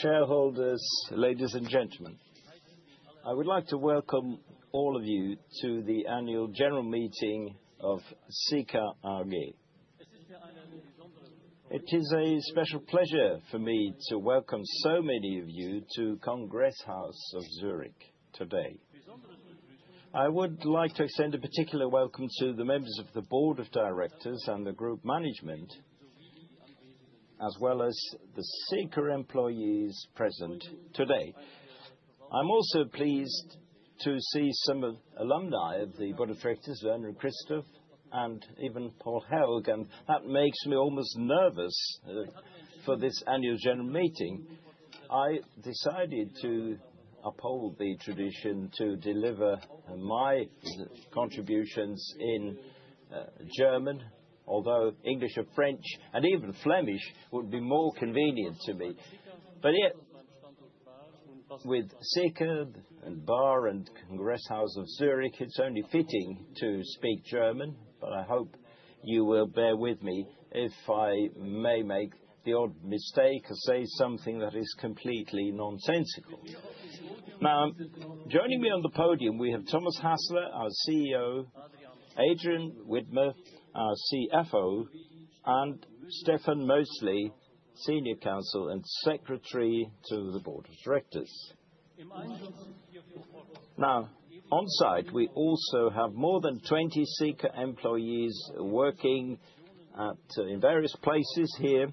Shareholders, ladies and gentlemen, I would like to welcome all of you to the Annual General Meeting of Sika AG. It is a special pleasure for me to welcome so many of you to Congress House of Zurich today. I would like to extend a particular welcome to the members of the Board of Directors and Group Management, as well as the Sika employees present today. I am also pleased to see some alumni of the Board of Directors, Vernon, Christoph, and even Paul Hälg. That makes me almost nervous. For this Annual General Meeting, I decided to uphold the tradition to deliver my contributions in German, although English or French and even Flemish would be more convenient to me. Yet, with Sika in Baar and Congress House of Zurich, it is only fitting to speak German. I hope you will bear with me if I may make the odd mistake or say something that is completely nonsensical. Now, joining me on the podium we have Thomas Hasler, our CEO, Adrian Widmer, our CFO, and Stefan Mösli, Senior Counsel and Secretary to the Board of Directors. Now on site, we also have more than 20 Sika employees working in various places here.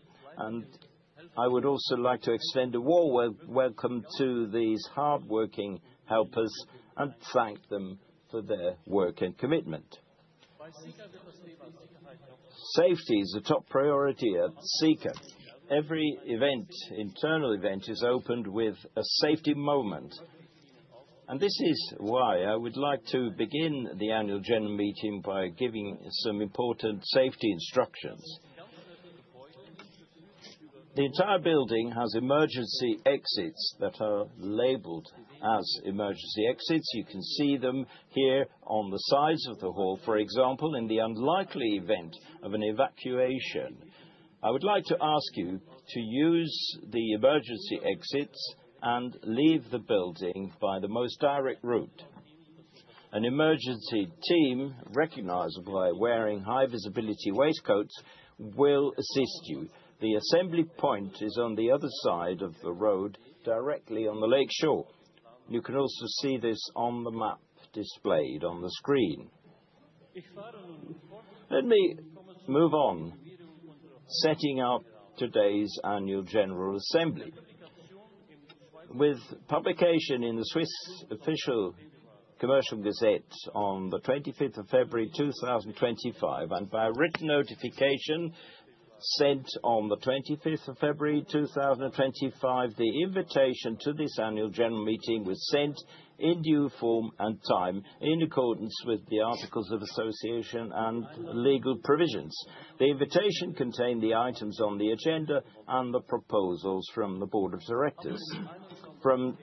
I would also like to extend a warm welcome to these hardworking helpers and thank them for their work and commitment. Safety is a top priority at Sika. Every event, internal event is opened with a safety moment. This is why I would like to begin the Annual General Meeting by giving some important safety instructions. The entire building has emergency exits that are labeled as emergency exits. You can see them here on the sides of the hall. For example, in the unlikely event of an evacuation, I would like to ask you to use the emergency exits and leave the building by the most direct route. An emergency team recognizable by wearing high visibility waistcoats will assist you. The assembly point is on the other side of the road, directly on the lake shore. You can also see this on the map displayed on the screen. Let me move on. Setting up today's Annual General Assembly with publication in the Swiss Official Commercial Gazette on 25 February 2025 and by written notification sent on 25 February 2025. The invitation to this Annual General Meeting was sent in due form and time in accordance with the articles of association and legal provisions. The invitation contained the items on the agenda and the proposals from the Board of Directors. From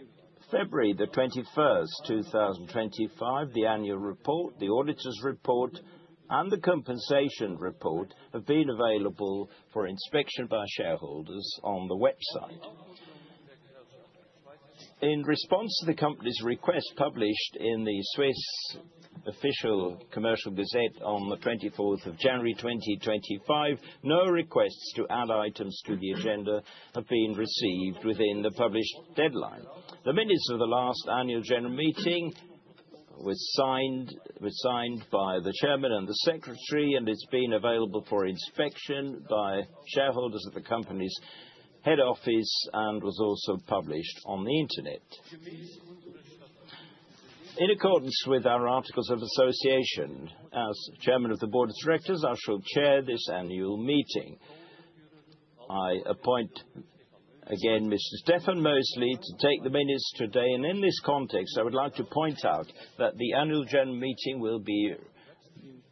February 21, 2025. The annual report, the auditor's report and the compensation report have been available for inspection by shareholders on the website in response to the company's request. Published in the Swiss Official Commercial Gazette on 24 January 2025. No requests to add items to the agenda have been received within the published deadline. The minutes of the last Annual General Meeting was signed by the Chairman and the Secretary and it's been available for inspection by shareholders at the company's head office and was also published on the Internet in accordance with our Articles of Association. As Chairman of the Board of Directors, I shall chair this annual meeting. I appoint again Mr. Stefan Mösli to take the minutes today. In this context, I would like to point out that the annual General Meeting will be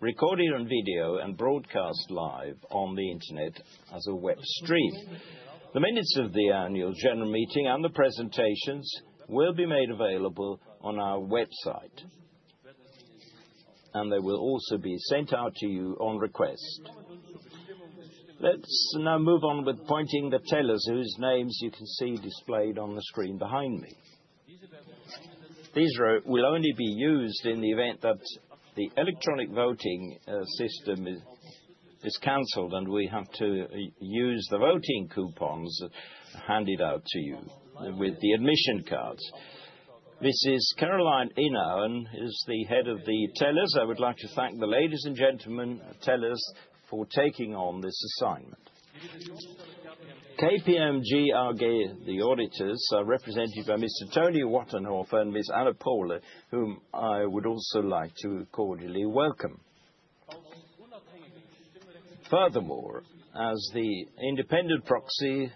recorded on video and broadcast live on the Internet as a web stream. The minutes of the Annual General Meeting and the presentations will be made available on our website and they will also be sent out to you on request. Let's now move on with pointing the tellers whose names you can see displayed on the screen behind me. These will only be used in the event that the electronic voting system is cancelled and we have to use the voting coupons handed out to you with the admission cards. This is Caroline Inauen and is the head of the tellers. I would like to thank the ladies and gentlemen tellers for taking on this assignment. KPMG AG, the auditors, are represented by Mr. Toni Wattenhofer and Ms. Anna Poehler, whom I would also like to cordially welcome. Furthermore, as the independent proxy,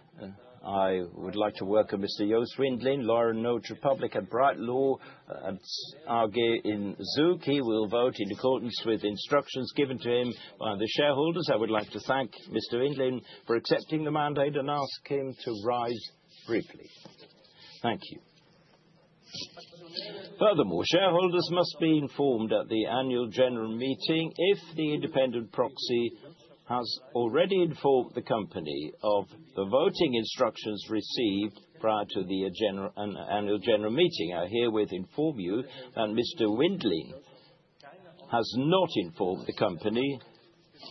I would like to welcome Mr. Jost Windlin, Lawrence Notes Republic at Bright Law in Zug. He will vote in accordance with instructions given to him by the shareholders. I would like to thank Mr. Windlin for accepting the mandate and ask him to rise briefly. Thank you. Furthermore, shareholders must be informed at the Annual General Meeting. If the independent proxy has already informed the company of the voting instructions received prior to the Annual General Meeting, I herewith inform you that Mr. Windlin has not informed the company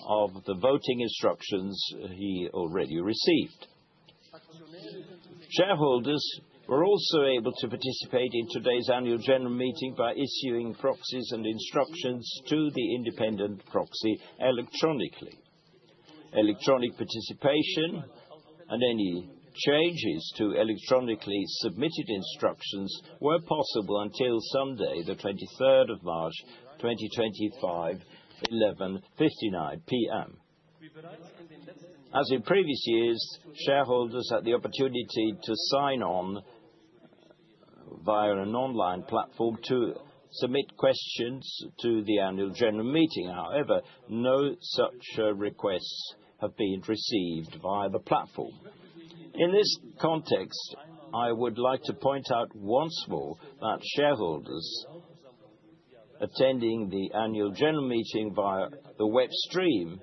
of the voting instructions he already received. Shareholders were also able to participate in today's Annual General Meeting by issuing proxies and instructions to the independent proxy electronically. Electronic participation and any changes to electronically submitted instructions were possible until Sunday, 23 March 2025, 11:59 P.M. As in previous years, shareholders had the opportunity to sign on via an online platform to submit questions to the Annual General Meeting. However, no such requests have been received via the platform. In this context, I would like to point out once more that shareholders attending the Annual General Meeting via the web stream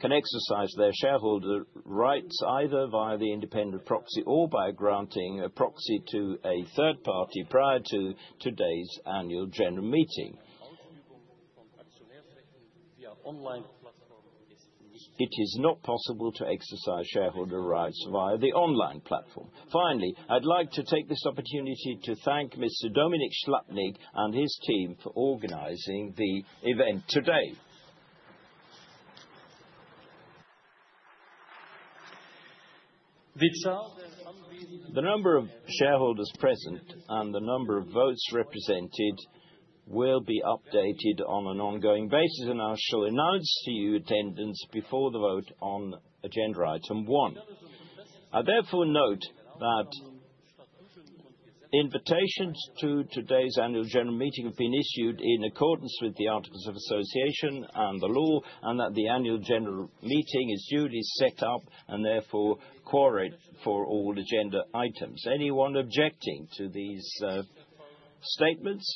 can exercise their shareholder rights either via the independent proxy or by granting a proxy to a third party prior to today's Annual General Meeting. It is not possible to exercise shareholder rights via the online platform. Finally, I'd like to take this opportunity to thank Mr. Dominik Schlappnig and his team for organizing the event today. The number of shareholders present and the number of votes represented will be updated on an ongoing basis and I shall announce to you attendance before the vote on Agenda Item 1. I therefore note that invitations to today's Annual General Meeting have been issued in accordance with the Articles of Association and the law, and that the Annual General Meeting is duly set up and therefore coordinate for all agenda items. Anyone objecting to these statements,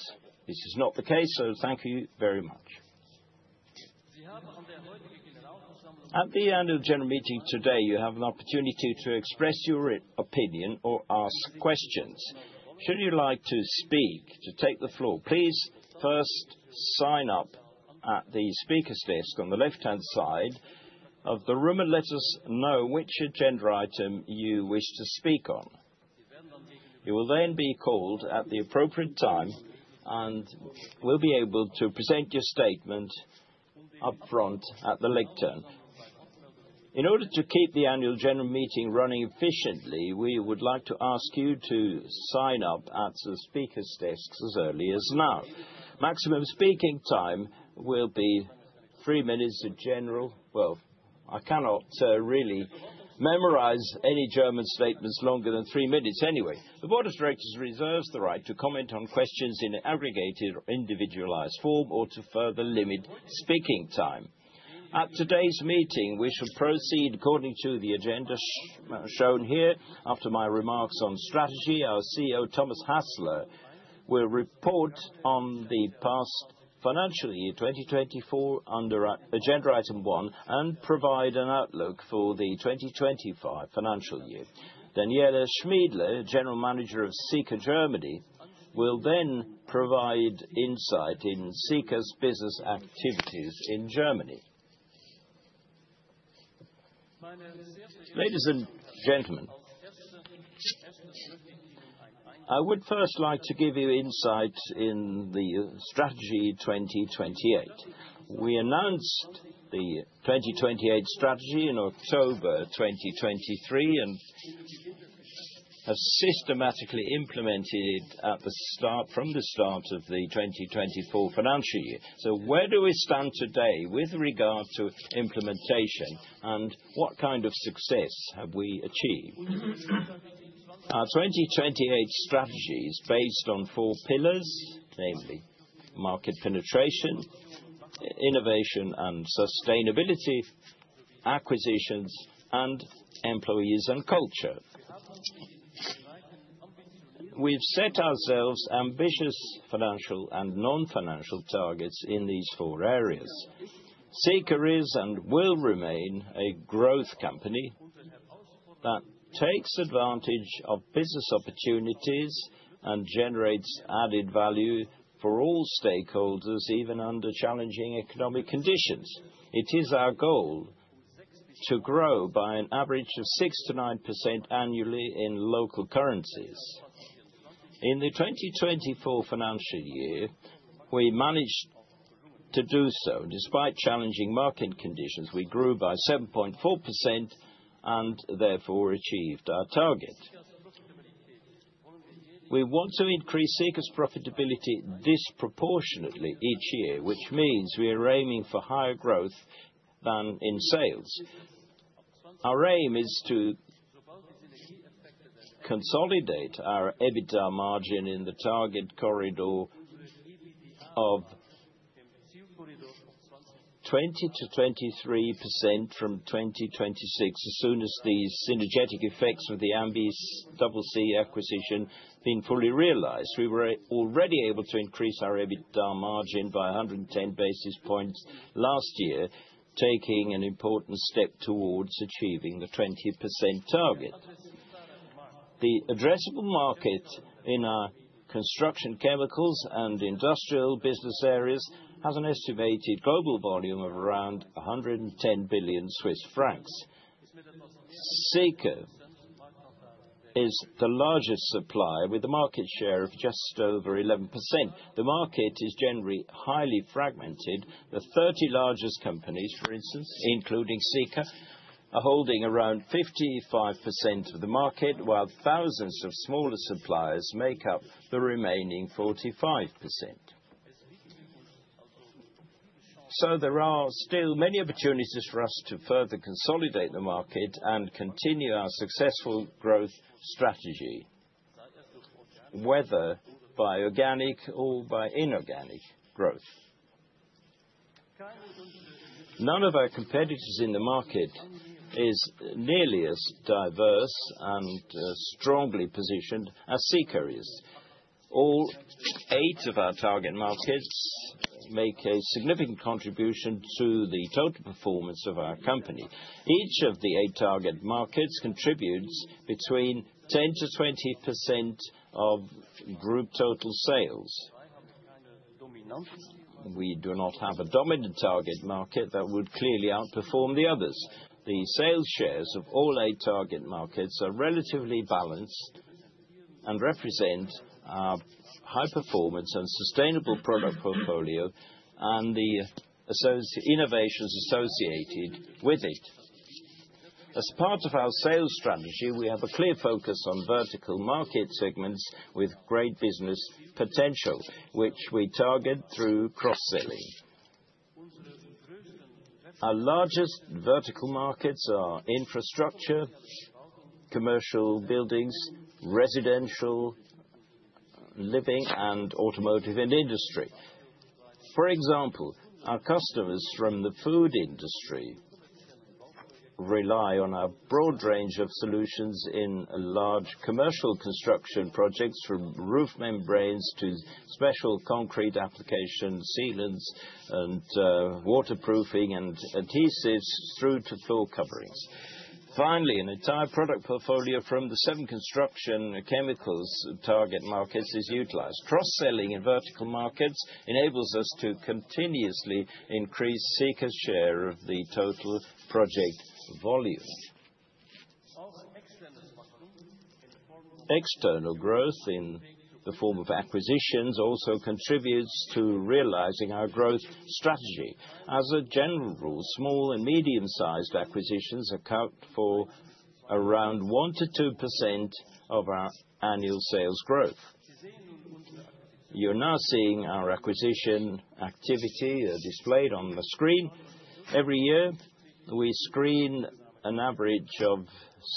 this is not the case, so thank you very much. At the end of the General Meeting today, you have an opportunity to express your opinion or ask questions. Should you like to speak to take the floor, please first sign up at the speaker's desk on the left hand side of the room and let us know which agenda item you wish to speak on. You will then be called at the appropriate time and will be able to present your statement up front at the lectern. In order to keep the Annual General Meeting running efficiently, we would like to ask you to sign up at the speakers desks as early as now. Maximum speaking time will be three minutes. In general, I cannot really memorize any German statements longer than three minutes anyway. The Board of Directors reserves the right to comment on questions in aggregated or individualized form or to further limit speaking time at today's meeting. We shall proceed according to the agenda shown here. After my remarks on strategy, our CEO Thomas Hasler will report on the past financial year 2024 under Agenda Item 1 and provide an outlook for the 2025 financial year. Daniela Schmiedle, General Manager of Sika Germany, will then provide insight in Sika's business activities in Germany. Ladies and gentlemen, I would first like to give you insight in the strategy 2028. We announced the 2028 strategy in October 2023 and have systematically implemented it from the start of the 2024 financial year. Where do we stand today with regard to implementation and what kind of success have we achieved? Our 2028 strategy is based on four pillars, namely market penetration, innovation and sustainability, acquisitions, and employees and culture. We've set ourselves ambitious financial and non-financial targets in these four areas. Sika is and will remain a growth company that takes advantage of people, business opportunities, and generates added value for all stakeholders even under challenging economic conditions. It is our goal to grow by an average of 6-9% annually in local currencies. In the 2024 financial year, we managed to do so despite challenging market conditions. We grew by 7.4% and therefore achieved our target. We want to increase Sika's profitability disproportionately each year, which means we are aiming for higher growth than in sales. Our aim is to consolidate our EBITDA margin in the target corridor of 20-23% from 2026. As soon as the synergetic effects of the MBCC acquisition have been fully realized, we were already able to increase our EBITDA margin by 110 basis points last year, taking an important step towards achieving the 20% target. The addressable market in our construction, chemicals and industrial business areas has an estimated global volume of around 110 billion Swiss francs. Sika is the largest supplier with a market share of just over 11%. The market is generally highly fragmented. The 30 largest companies, for instance, including Sika, are holding around 55% of the market, while thousands of smaller suppliers make up the remaining 45%. There are still many opportunities for us to further consolidate the market and continue our successful growth strategy. Whether by organic or by inorganic growth, none of our competitors in the market is nearly as diverse and strongly positioned as Sika. All eight of our target markets make a significant contribution to the total performance of our company. Each of the eight target markets contributes between 10-20% of group total sales. We do not have a dominant target market that would clearly outperform the others. The sales shares of all eight target markets are relatively balanced and represent our high performance and sustainable product portfolio and the innovations associated with it. As part of our sales strategy, we have a clear focus on vertical market segments with great business potential which we target through cross selling. Our largest vertical markets are infrastructure, commercial buildings, residential living, and automotive and industry, for example. Our customers from the food industry rely on a broad range of solutions in large commercial construction projects, from roof membranes to special concrete applications, fabrication sealants and waterproofing and adhesives through to floor coverings. Finally, an entire product portfolio from the seven construction chemicals target markets is utilized. Cross selling in vertical markets enables us to continuously increase Sika share of the total project volume. External growth in the form of acquisitions also contributes to realizing our growth strategy. As a general rule, small and medium sized acquisitions account for around 1-2% of our annual sales growth. You're now seeing our acquisition activity displayed on the screen. Every year we screen an average of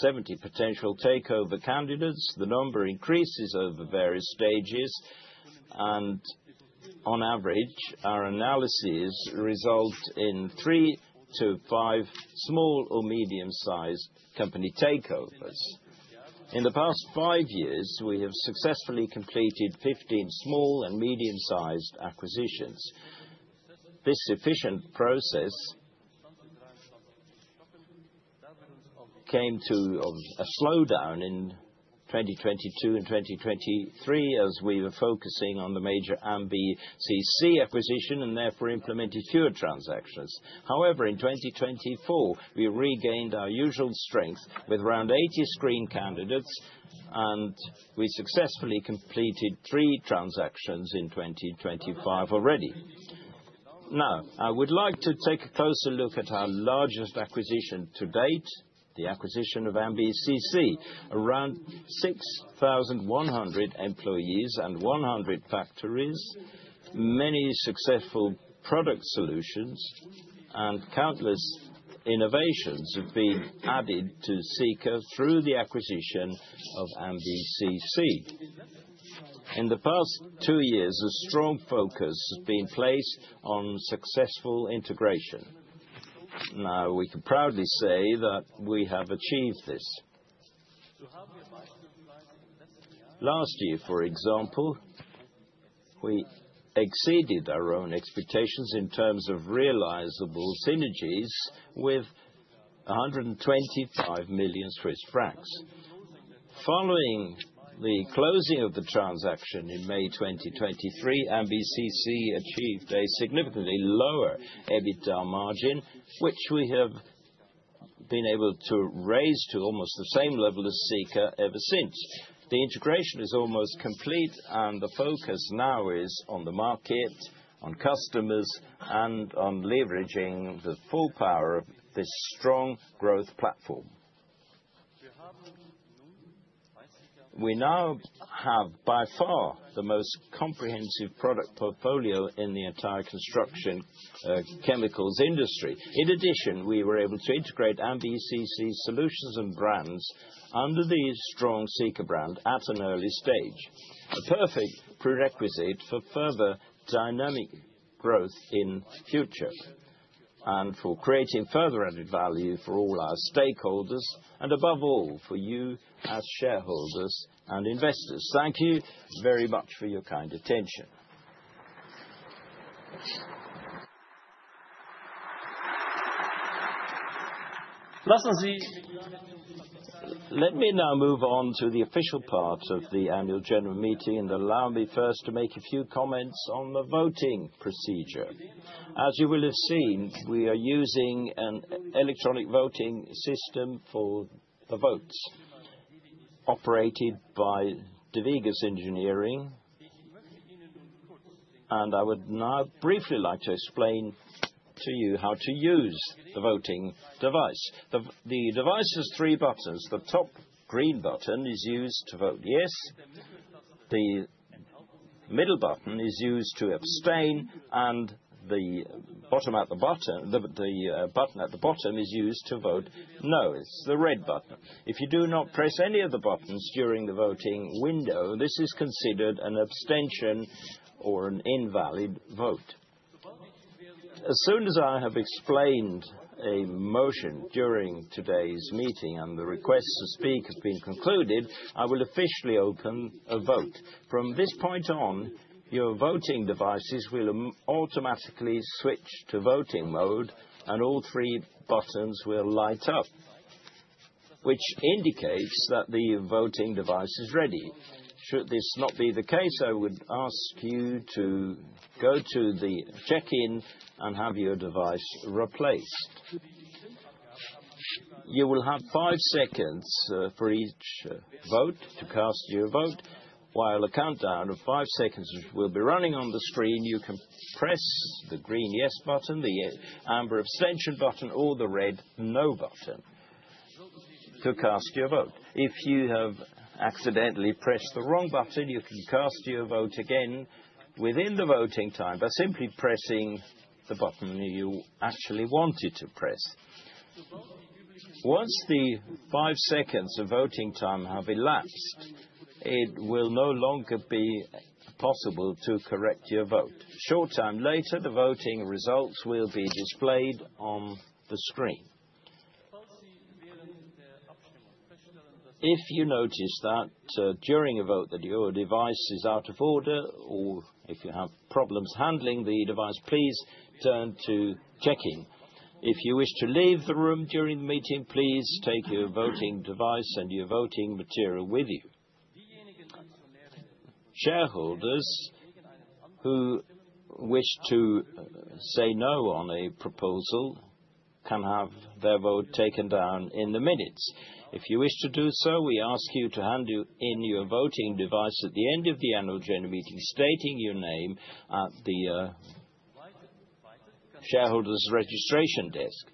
70 potential takeover candidates. The number increases over various stages and on average our analyses result in three to five small or medium sized company takeovers. In the past five years we have successfully completed 15 small and medium sized acquisitions. This efficient process came to a slowdown in 2022 and 2023 as we were focusing on the major MBCC acquisition and therefore implemented fewer transactions. However, in 2024 we regained our usual strength with around 80 screened candidates and we successfully completed three transactions in 2025 already. Now I would like to take a closer look at our largest acquisition to date, the acquisition of MBCC, around 6,100 employees and 100 factories. Many successful product solutions and countless innovations have been added to Sika through the acquisition of MBCC. In the past two years, a strong focus has been placed on successful integration. Now we can proudly say that we have achieved this. Last year, for example, we exceeded our own expectations in terms of realizable synergies with CHF 125 million. Following the closing of the transaction in May 2023, MBCC achieved a significantly lower EBITDA margin which we have been able to raise to almost the same level as Sika ever since. The integration is almost complete and the focus now is on the market, on customers, and on leveraging the full power of this strong growth platform. We now have by far the most comprehensive product portfolio in the entire construction chemicals industry. In addition, we were able to integrate MBCC solutions and brands under the strong Sika brand at an early stage, a perfect prerequisite for further dynamic growth in future and for creating further added value for all our stakeholders and above all for you as shareholders and investors. Thank you very much for your kind attention. Let me now move on to the official part of the general meeting and allow me first to make a few comments on the voting procedure. As you will have seen, we are using an electronic voting system for the votes operated by Devigus Engineering and I would now briefly like to explain to you how to use the voting device. The device has three buttons. The top, the green button, is used to vote yes. The middle button is used to abstain and the button at the bottom is used to vote no. It is the red button. If you do not press any of the buttons during the voting window, this is considered an abstention or an invalid vote. As soon as I have explained a motion during today's meeting and the request to speak has been concluded, I will officially open a vote. From this point on, your voting devices will automatically switch to voting mode and all three buttons will light up, which indicates that the voting device is ready. Should this not be the case, I would ask you to go to the check-in and have your device replaced. You will have five seconds for each vote to cast your vote, while a countdown of five seconds will be running on the screen. You can press the green yes button, the amber abstention button, or the red no button to cast your vote. If you have accidentally pressed the wrong button, you can cast your vote again within the voting time by simply pressing the button you actually wanted to press. Once the five seconds of voting time have elapsed, it will no longer be possible to correct your vote. Short time later, the voting results will be displayed on the screen. If you notice that during a vote that your device is out of order, or if you have problems handling the device, please turn to checking. If you wish to leave the room during the meeting, please take your voting device and your voting material with you. Shareholders who wish to say no on a proposal can have their vote taken down in the minutes. If you wish to do so, we ask you to hand in your voting device at the end of the annual general meeting, stating your name at the shareholders registration desk,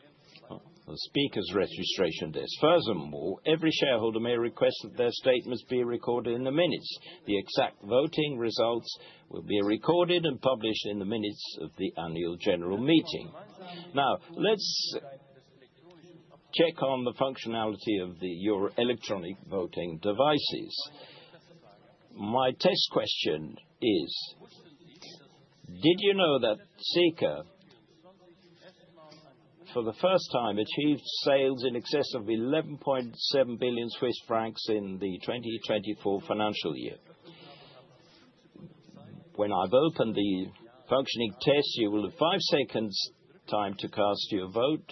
the Speaker's registration desk. Furthermore, every shareholder may request that their statements be recorded in the minutes. The exact voting results will be recorded and published in the minutes of the annual general meeting. Now let's check on the functionality of your electronic voting devices. My test question is, did you know that Sika for the first time achieved sales in excess of 11.7 billion Swiss francs in the 2024 financial year? When I've opened the functioning test, you will have five seconds time to cast your vote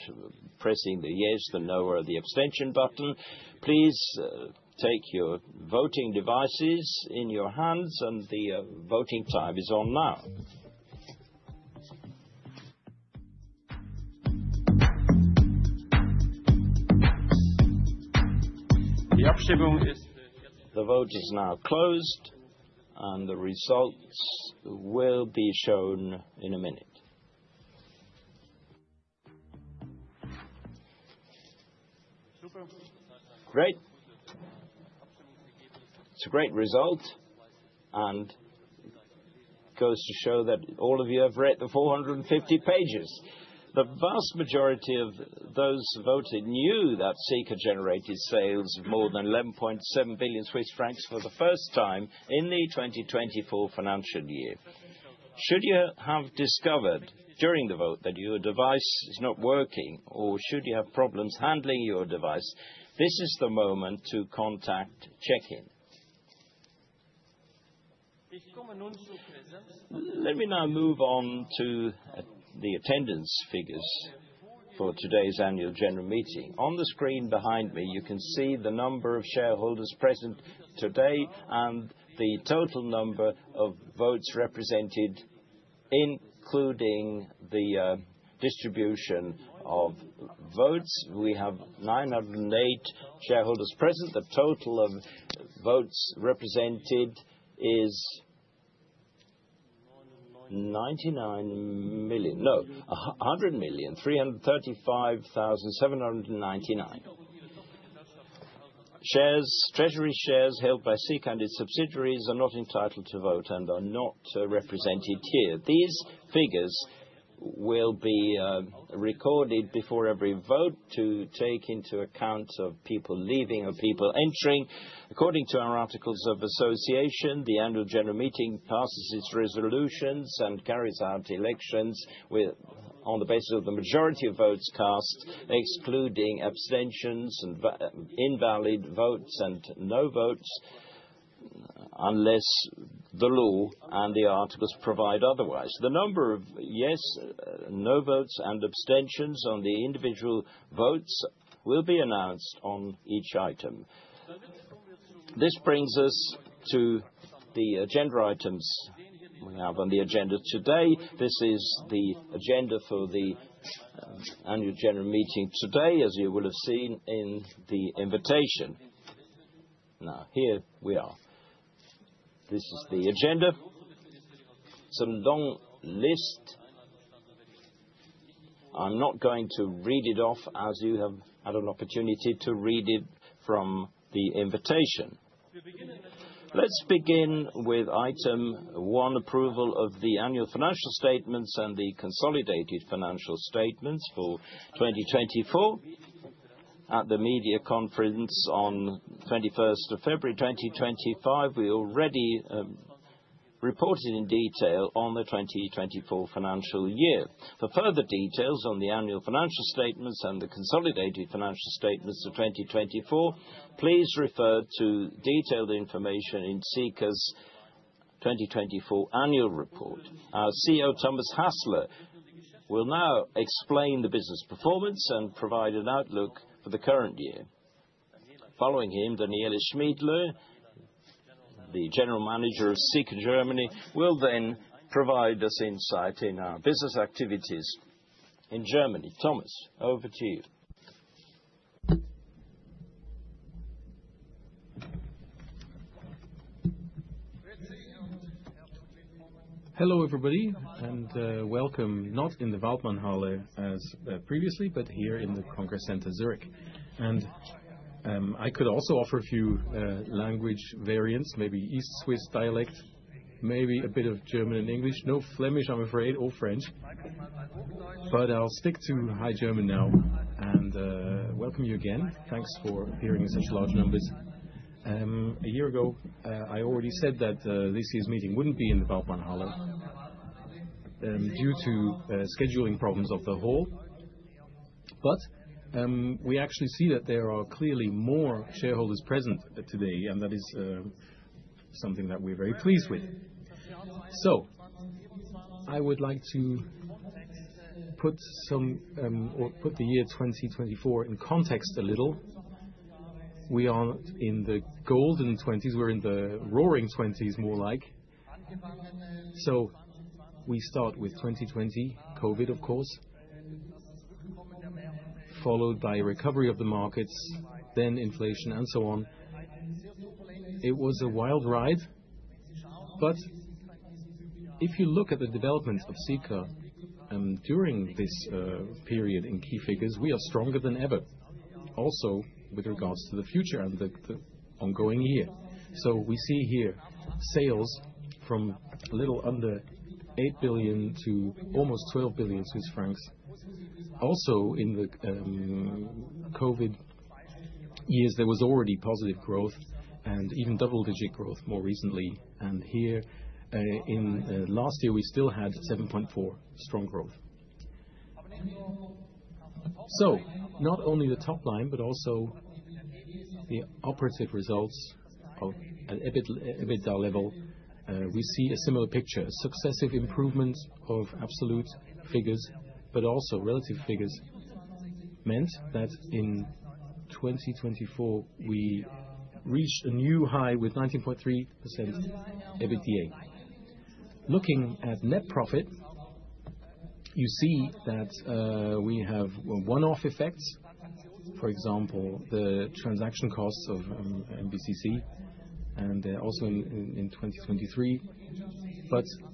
pressing the yes, the no or the abstention button. Please take your voting devices in your hands and the voting time is on now. The vote is now closed and the results will be shown in a minute. Great. It's a great result and goes to show that all of you have read the 450 pages. The vast majority of those voted knew that Sika generated sales of more than 11.7 billion Swiss francs for the first time in the 2024 financial year. Should you have discovered during the vote that your device is not working, or should you have problems handling your device, this is the moment to contact check in. Let me now move on to the attendance figures for today's annual general meeting. On the screen behind me, you can see the number of shareholders present today and the total number of votes represented, including the distribution of votes. We have 908 shareholders present. The total of votes represented is 99 million. No, 100 million. 335,700 treasury shares held by Sika and its subsidiaries are not entitled to vote and are not represented here. These figures will be recorded before every vote to take into account of people leaving or people entering. According to our Articles of Association, the annual General Meeting passes its resolutions and carries out elections on the basis of the majority of votes cast, excluding abstentions and invalid votes and no votes, unless the law and the articles provide otherwise. The number of yes no votes and abstentions on the individual votes will be announced on each item. This brings us to the agenda items we have on the agenda today. This is the agenda for the annual General Meeting today, as you will have seen in the invitation. Now here we are. This is the agenda. It's a long list. I'm not going to read it off as you have had an opportunity to read it from the invitation. Let's begin with item one. Approval of the annual financial statements and the consolidated financial statements for 2024 at the media conference on 21st of February 2025. We already reported in detail on the 2024 financial year. For further details on the annual financial statements and the consolidated financial statements for 2024, please refer to detailed information in Sika's 2024 annual report. Our CEO Thomas Hasler will now explain the business performance and provide an outlook for the current year. Following him, Daniela Schmiedle, the General Manager of Sika Germany, will then provide us insight in our business activities in Germany. Thomas, over to you. Hello everybody and welcome. Not in the Waldmann Halle as previously, but here in the Congress Center, Zurich. I could also offer a few language variants, maybe East Swiss dialect, maybe a bit of German and English. No Flemish, I'm afraid, or French. I will stick to high German now and welcome you again. Thanks for appearing in such large numbers a year ago. I already said that this year's meeting would not be in the Waldmann Halle due to scheduling problems of the hall. We actually see that there are clearly more shareholders present today and that is something that we are very pleased with. I would like to put the year 2024 in context a little. We are in the golden twenties. We are in the roaring twenties, more like. We start with 2020 Covid, of course, followed by recovery of the markets, then inflation and so on. It was a wild ride. If you look at the development of Sika during this period in key figures, we are stronger than ever also with regards to the future and the ongoing year. We see here sales from a little under 8 billion to almost 12 billion Swiss francs. Also in the Covid years there was already positive growth and even double-digit growth more recently, and here in last year we still had 7.4% strong growth. Not only the top line but also the operative results at EBITDA level, we see a similar picture. Successive improvements of absolute figures but also relative figures meant that in 2024 we reached a new high with 19.3% EBITDA. Looking at net profit you see that we have one-off effects for example the transaction costs of MBCC and also in 2023.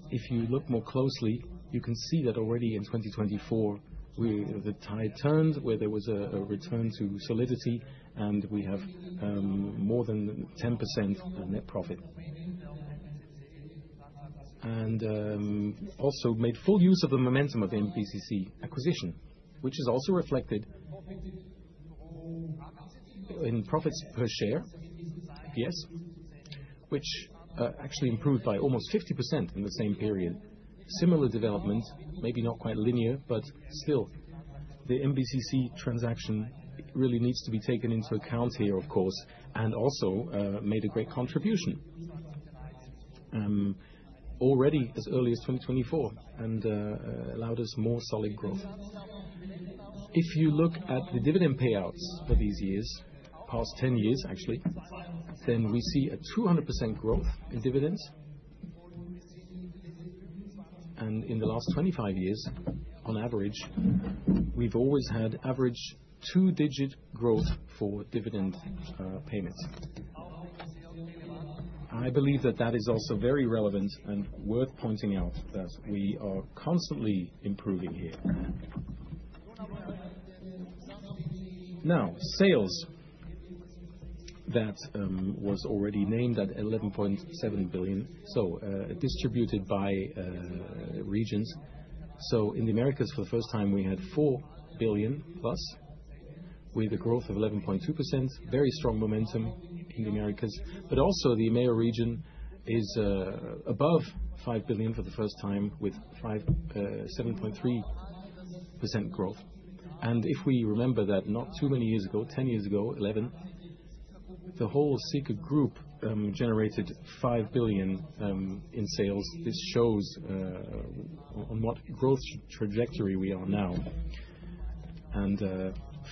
If you look more closely you can see that already in 2024 the tide turned where there was a return to solidity and we have more than 10% net profit and also made full use of the momentum of MBCC acquisition which is also reflected in profits per share. Yes, which actually improved by almost 50% in the same period. Similar development maybe not quite linear but still the MBCC transaction really needs to be taken into account here of course and also made a great contribution already as early as 2024 and allowed us more solid growth. If you look at the dividend payouts for these years, past 10 years actually, then we see a 200% growth in dividends and in the last 25 years on average we've always had average two digit growth for dividend payments. I believe that that is also very relevant and worth pointing out that we are constantly improving here. Now sales, that was already named at 11.7 billion, so distributed by regions. In the Americas for the first time we had 4 billion plus with a growth of 11.2%. Very strong momentum in the Americas, but also the EMEA region is above 5 billion for the first time with 7.3% growth, and if we remember that not too many years ago, 10 years ago, 11, the whole Sika group generated 5 billion in sales. This shows on what growth trajectory we are now and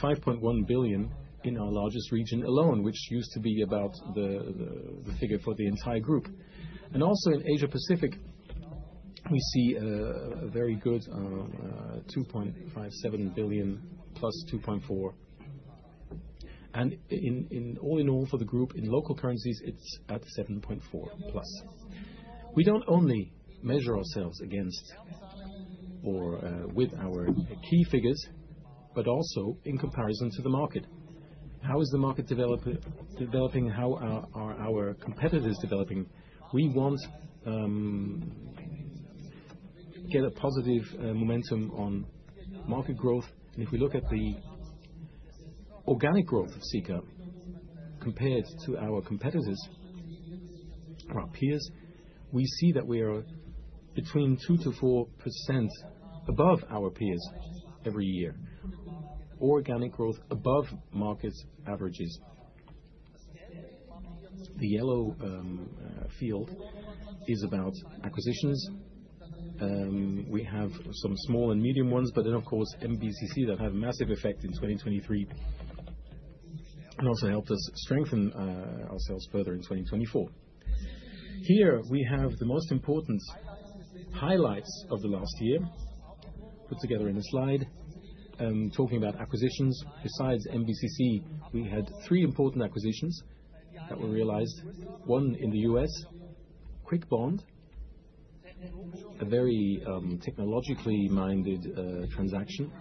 5.1 billion in our largest region alone which used to be about the figure for the entire group and also in Asia Pacific we see a very good 2.57 billion plus 2.4 billion and all in all for the group in local currencies it's at 7.4% plus. We don't only measure ourselves against or with our key figures but also in comparison to the market. How is the market developing? How are our competitors developing? We want to get a positive momentum on market growth and if we look at the organic growth of Sika compared to our competitors, peers, we see that we are between 2-4% above our peers every year. Organic growth above market averages, the yellow field is about acquisitions. We have some small and medium ones, but then of course MBCC that had massive effect in 2023 and also helped us strengthen ourselves further in 2024. Here we have the most important highlights of the last year put together in a slide talking about acquisitions. Besides MBCC, we had three important acquisitions that were realized. One in the U.S., Kwik Bond, a very technologically minded transaction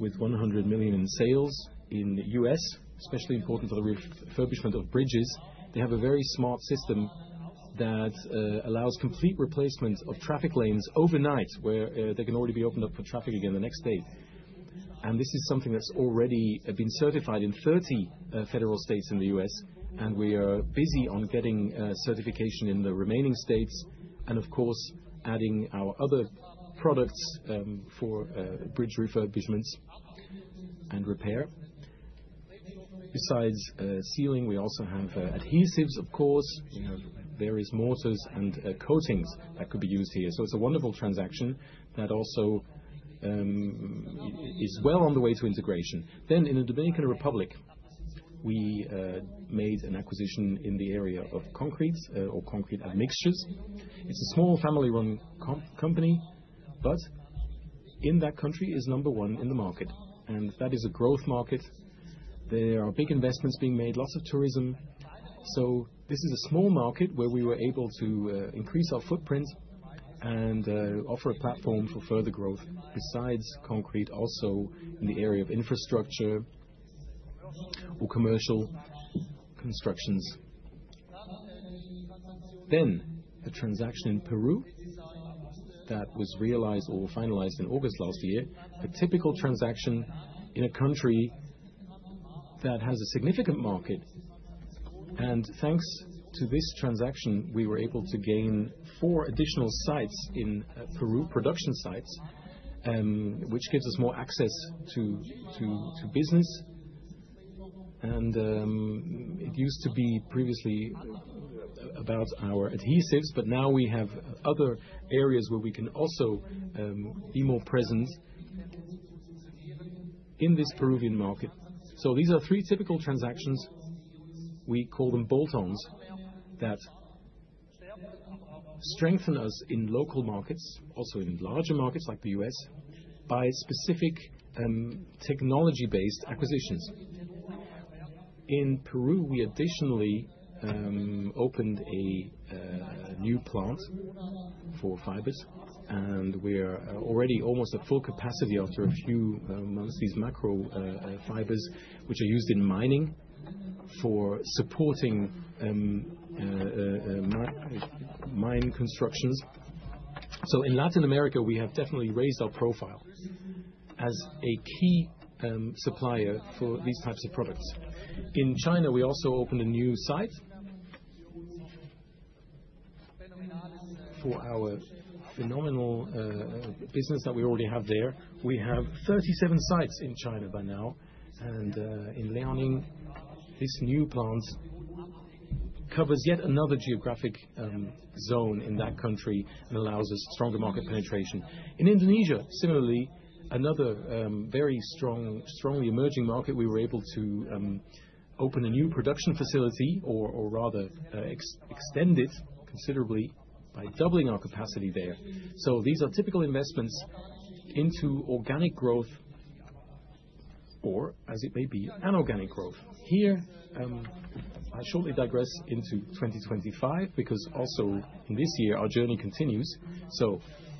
with $100 million in sales in the U.S., especially important for the refurbishment of bridges. They have a very smart system that allows complete replacement of traffic lanes overnight where they can already be opened up for traffic again the next day. This is something that's already been certified in 30 federal states in the U.S. and we are busy on getting certification in the remaining states and of course adding our other products for bridge refurbishments and repair. Besides sealing, we also have adhesives, of course, various mortars and coatings that could be used here. It is a wonderful transaction that also is well on the way to integration. In the Dominican Republic, we made an acquisition in the area of concrete or concrete admixtures. It is a small family-run company, but in that country is number one in the market and that is a growth market. There are big investments being made, lots of tourism. This is a small market where we were able to increase our footprint and offer a platform for further growth besides concrete, also in the area of infrastructure or commercial constructions. A transaction in Peru was realized or finalized in August last year. A typical transaction in a country that has a significant market. Thanks to this transaction we were able to gain four additional sites in Peru, production sites, which gives us more access to business. It used to be previously about our adhesives, but now we have other areas where we can also be more present in this Peruvian market. These are three typical transactions, we call them boltons, that strengthen us in local markets, also in larger markets like the US by specific technology based acquisitions. In Peru, we additionally opened a new plant for fibers and we are already almost at full capacity after a few months. These macro fibers are used in mining for supporting mine constructions. In Latin America we have definitely raised our profile as a key supplier for these types of products. In China, we also opened a new sIte. For our phenomenal business that we already have there. We have 37 sites in China by now. In Liaoning, this new plant covers yet another geographic zone in that country and allows us stronger market penetration. In Indonesia, similarly, another very strong, strongly emerging market, we were able to open a new production facility or rather extend it considerably by doubling our capacity there. These are typical investments into organic growth, or as it may be, inorganic growth. Here I shortly digress into 2025 because also in this year our journey continues.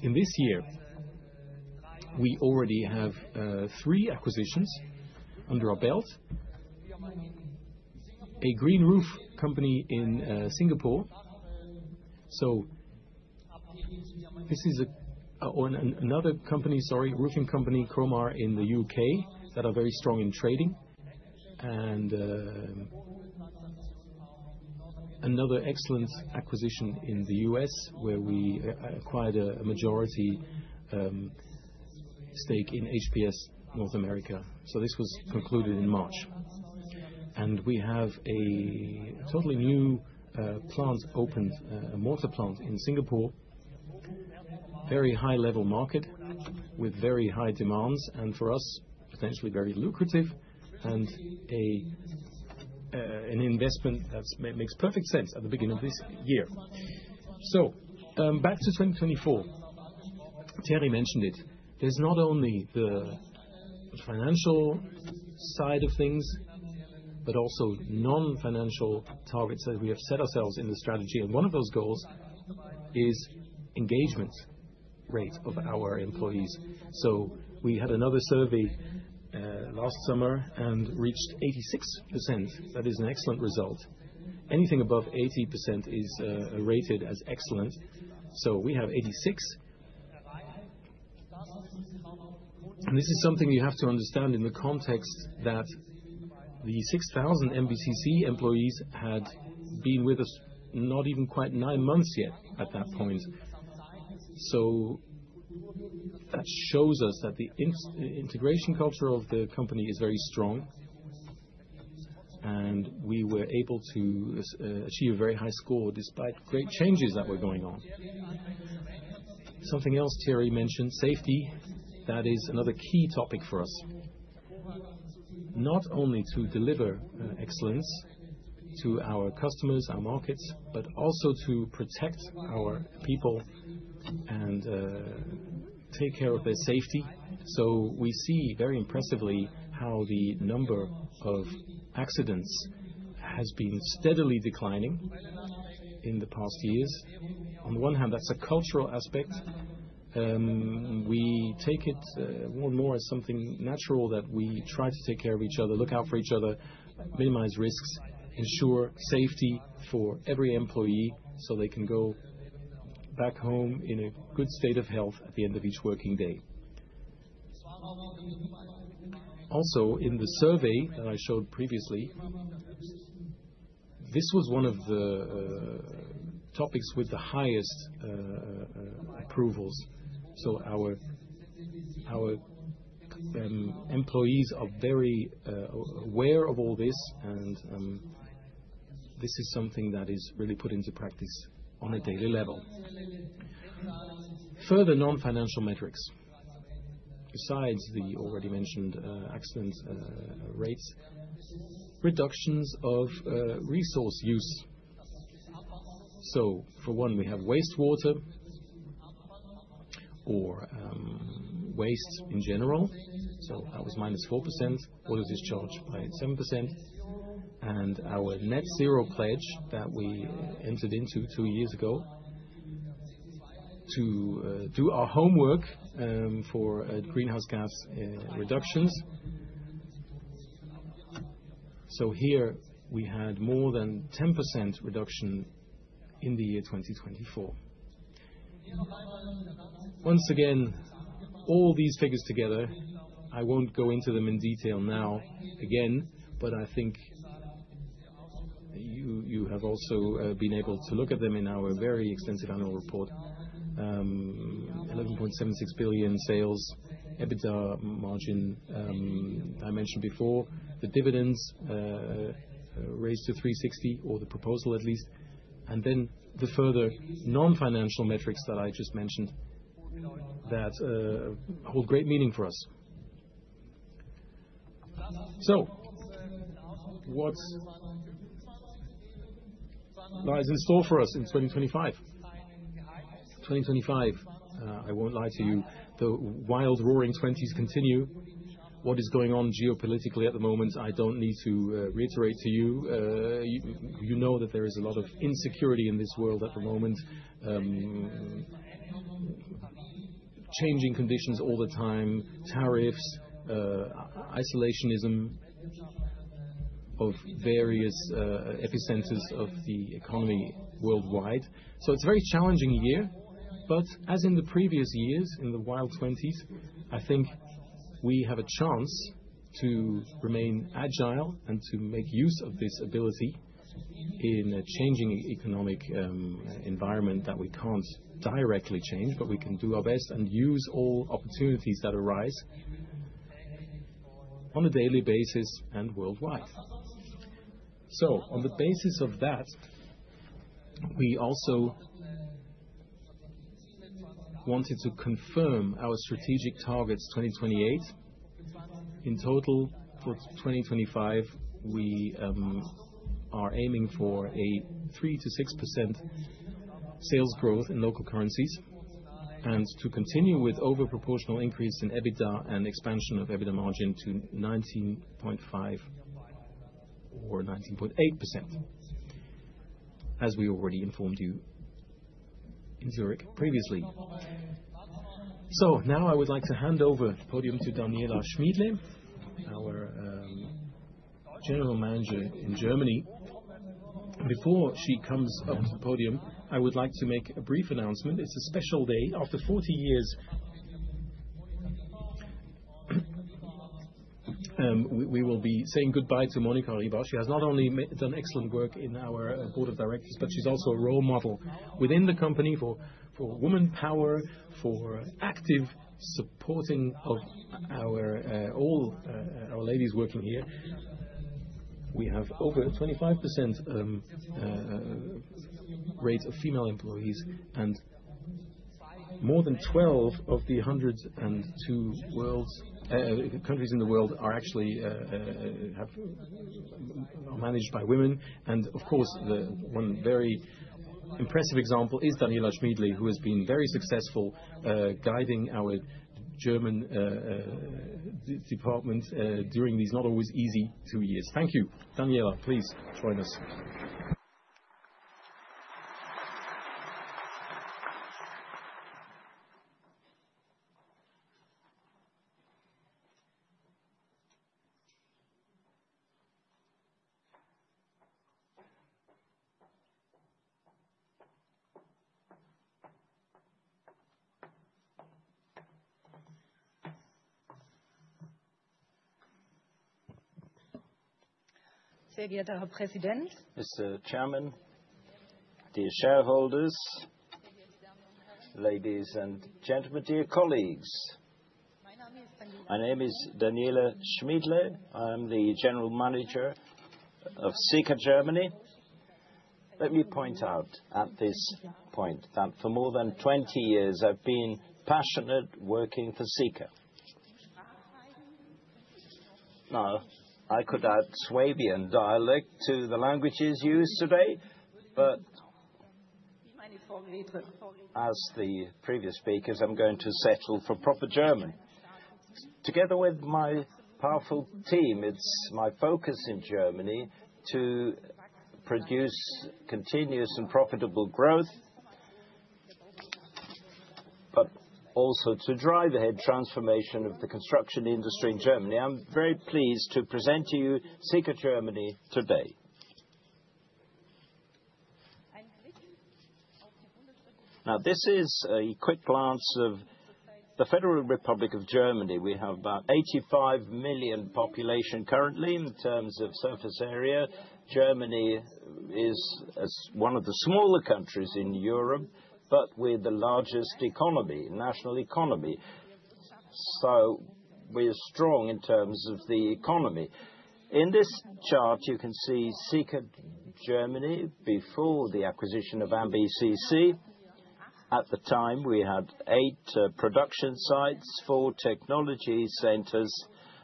In this year we already have three acquisitions under our belt. A green roof company in Singapore. This is another company, sorry, roofing company Cromar in the U.K. that are very strong in trading and another excellent acquisition in the U.S. where we acquired a majority stake in HPS North America. This was concluded in March and we have a totally new plant opened, a mortar plant in Singapore, very high level market with very high demands and for us, potentially very lucrative and an investment that makes perfect sense at the beginning of this year. Back to 2024. Terry mentioned it. There's not only the financial side of things, but also non financial targets that we have set ourselves in the strategy. One of those goals is engagement rate of our employees. We had another survey last summer and reached 86%. That is an excellent result. Anything above 80% is rated as excellent. We have 86%. This is something you have to understand in the context that the 6,000 MBCC employees had been with us not even quite nine months yet at that point. That shows us that the integration culture of the company is very strong and we were able to achieve a very high score despite great changes that were going on. Something else, Thierry mentioned safety. That is another key topic for us, not only to deliver excellence to our customers, our markets, but also to protect our people and take care of their safety. We see very impressive how the number of accidents has been steadily declining in the past years. On the one hand, that's a cultural aspect. We take it more and more as something natural that we try to take care of each other, look out for each other, minimize risks, ensure safety for every employee so they can go back home in a good state of health at the end of each working day. Also in the survey that I showed previously, this was one of the topics with the highest approvals. Our employees are very aware of all this and this is something that is really put into practice on a daily level. Further, non-financial metrics, besides the already mentioned accident rates, reductions of resource use. For one, we have wastewater or waste in general. That was minus 4% water discharge by 7% and our net zero pledge that we entered into two years ago to do our homework for greenhouse gas reductions. Here we had more than 10% reduction in the year 2024. Once again, all these figures together, I won't go into them in detail now again. I think you have also been able to look at them in our very extensive annual report, 11.76 billion sales, EBITDA margin I mentioned before, the dividends raised to 3.60 or the proposal at least, and then the further non-financial metrics that I just mentioned that hold great meaning for us. What lies in store for us in 2025? 2025, I won't lie to you. The wild roaring twenties continue. What is going on geopolitically at the moment? I don't need to reiterate to you, you know, that there is a lot of insecurity in this world at the moment. Changing conditions all the time, tariffs, isolationism of various epicenters of the economy worldwide. It is a very challenging year. As in the previous years, in the wild twenties, I think we have a chance to remain agile and to make use of this ability in a changing economic environment that we cannot directly change, but we can do our best and use all opportunities that arise on a daily basis and worldwide. On the basis of that we also wanted to confirm our strategic targets. 2028 in total for 2025 we are aiming for a 3-6% sales growth in local currencies and to continue with over proportional increase in EBITDA and expansion of EBITDA margin to 19.5% or 19.8% as we already informed you in Zurich previously. I would like to hand over the podium to Daniela Schmiedle, our General Manager in Germany. Before she comes up to the podium, I would like to make a brief announcement. It is a special day. After 40 years. We will be saying goodbye to Monika Ribar. She has not only done excellent work in our Board of Directors, but she's also a role model within the company for Women Power, for active supporting of all our ladies working here. We have over 25% rate of female employees and more than 12 of the 102 countries in the world are actually managed by women. Of course, one very impressive example is Daniela Schmiedle, who has been very successful guiding our German department during these not always easy two years. Thank you, Daniela. Please join us. Mr. Chairman, the shareholders, ladies and gentlemen, dear colleagues, my name is Daniela Schmiedle. I'm the General Manager of Sika Germany. Let me point out at this point that for more than 20 years I've been passionate working for Sika. Now I could add Swabian dialect to the languages used today, but as the previous speakers, I'm going to settle for proper German. Together with my powerful team, it's my focus in Germany to produce continuous and profitable growth, but also to drive ahead transformation of the construction industry in Germany. I'm very pleased to present to you Sika Germany today. Now this is a quick glance of the Federal Republic of Germany. We have about 85 million population currently. In terms of surface area, Germany is one of the smaller countries in Europe but with the largest economy, national economy. We are strong in terms of the economy. In this chart you can see Sika Germany before the acquisition of MBCC Group. At the time we had eight production sites, four technology centers,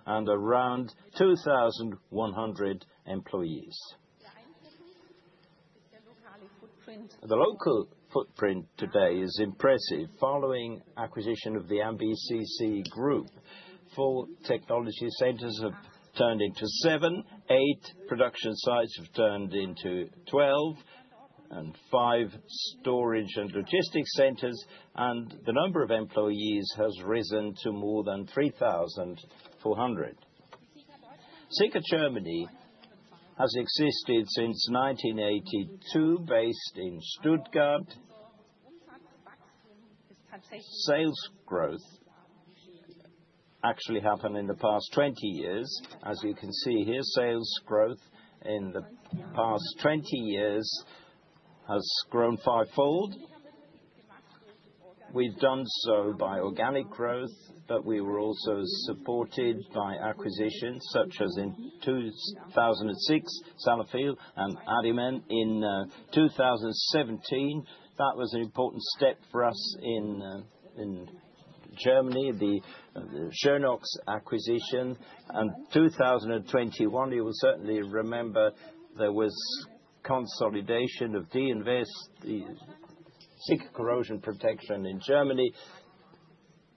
and around 2,100 employees. The local footprint today is impressive. Following acquisition of the MBCC Group, four technology centers have turned into seven, eight production sites have turned into 12, and five storage and logistics centers, and the number of employees has risen to more than 3,400. Sika Germany has existed since 1982, based in Stuttgart. Sales growth actually happened in the past 20 years. As you can see here, sales growth in the past 20 years has grown fivefold. We've done so by organic growth, but we were also supported by acquisitions such as in 2006 Sarnafil and Addiment. In 2017 that was an important step for us in Germany. The Schönox acquisition in 2021, you will certainly remember there was consolidation of the invest corrosion protection in Germany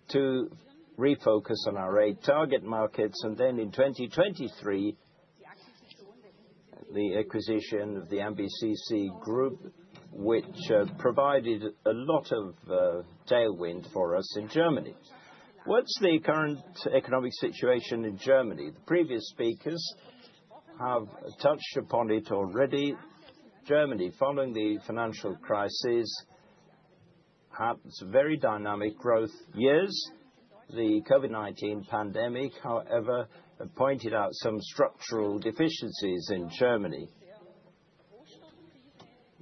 to refocus on our eight target markets. In 2023 the acquisition of the MBCC Group provided a lot of tailwind for us in Germany. What's the current economic situation in Germany? The previous speakers have touched upon it already. Germany following the financial crisis had very dynamic growth years. The COVID-19 pandemic, however, pointed out some structural deficiencies in Germany.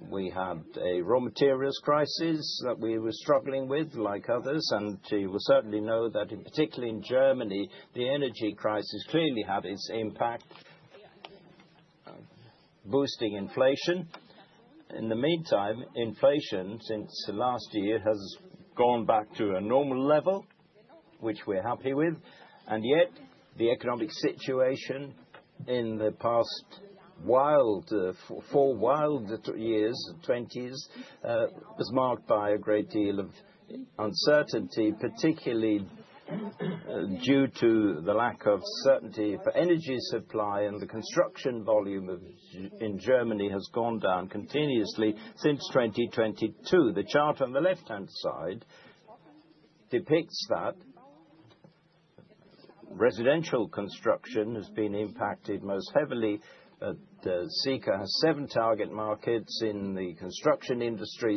We had a raw materials crisis that we were struggling with like others. You will certainly know that in particular in Germany, the energy crisis clearly had its impact, boosting inflation. In the meantime, inflation since last year has gone back to a normal level, which we're happy with. Yet the economic situation in the past four wild years, the 2020s, was marked by a great deal of uncertainty, particularly due to the lack of certainty for energy supply. The construction volume in Germany has gone down continually simultaneously since 2022. The chart on the left hand side depicts that residential construction has been impacted most heavily. Sika has seven target markets in the construction industry.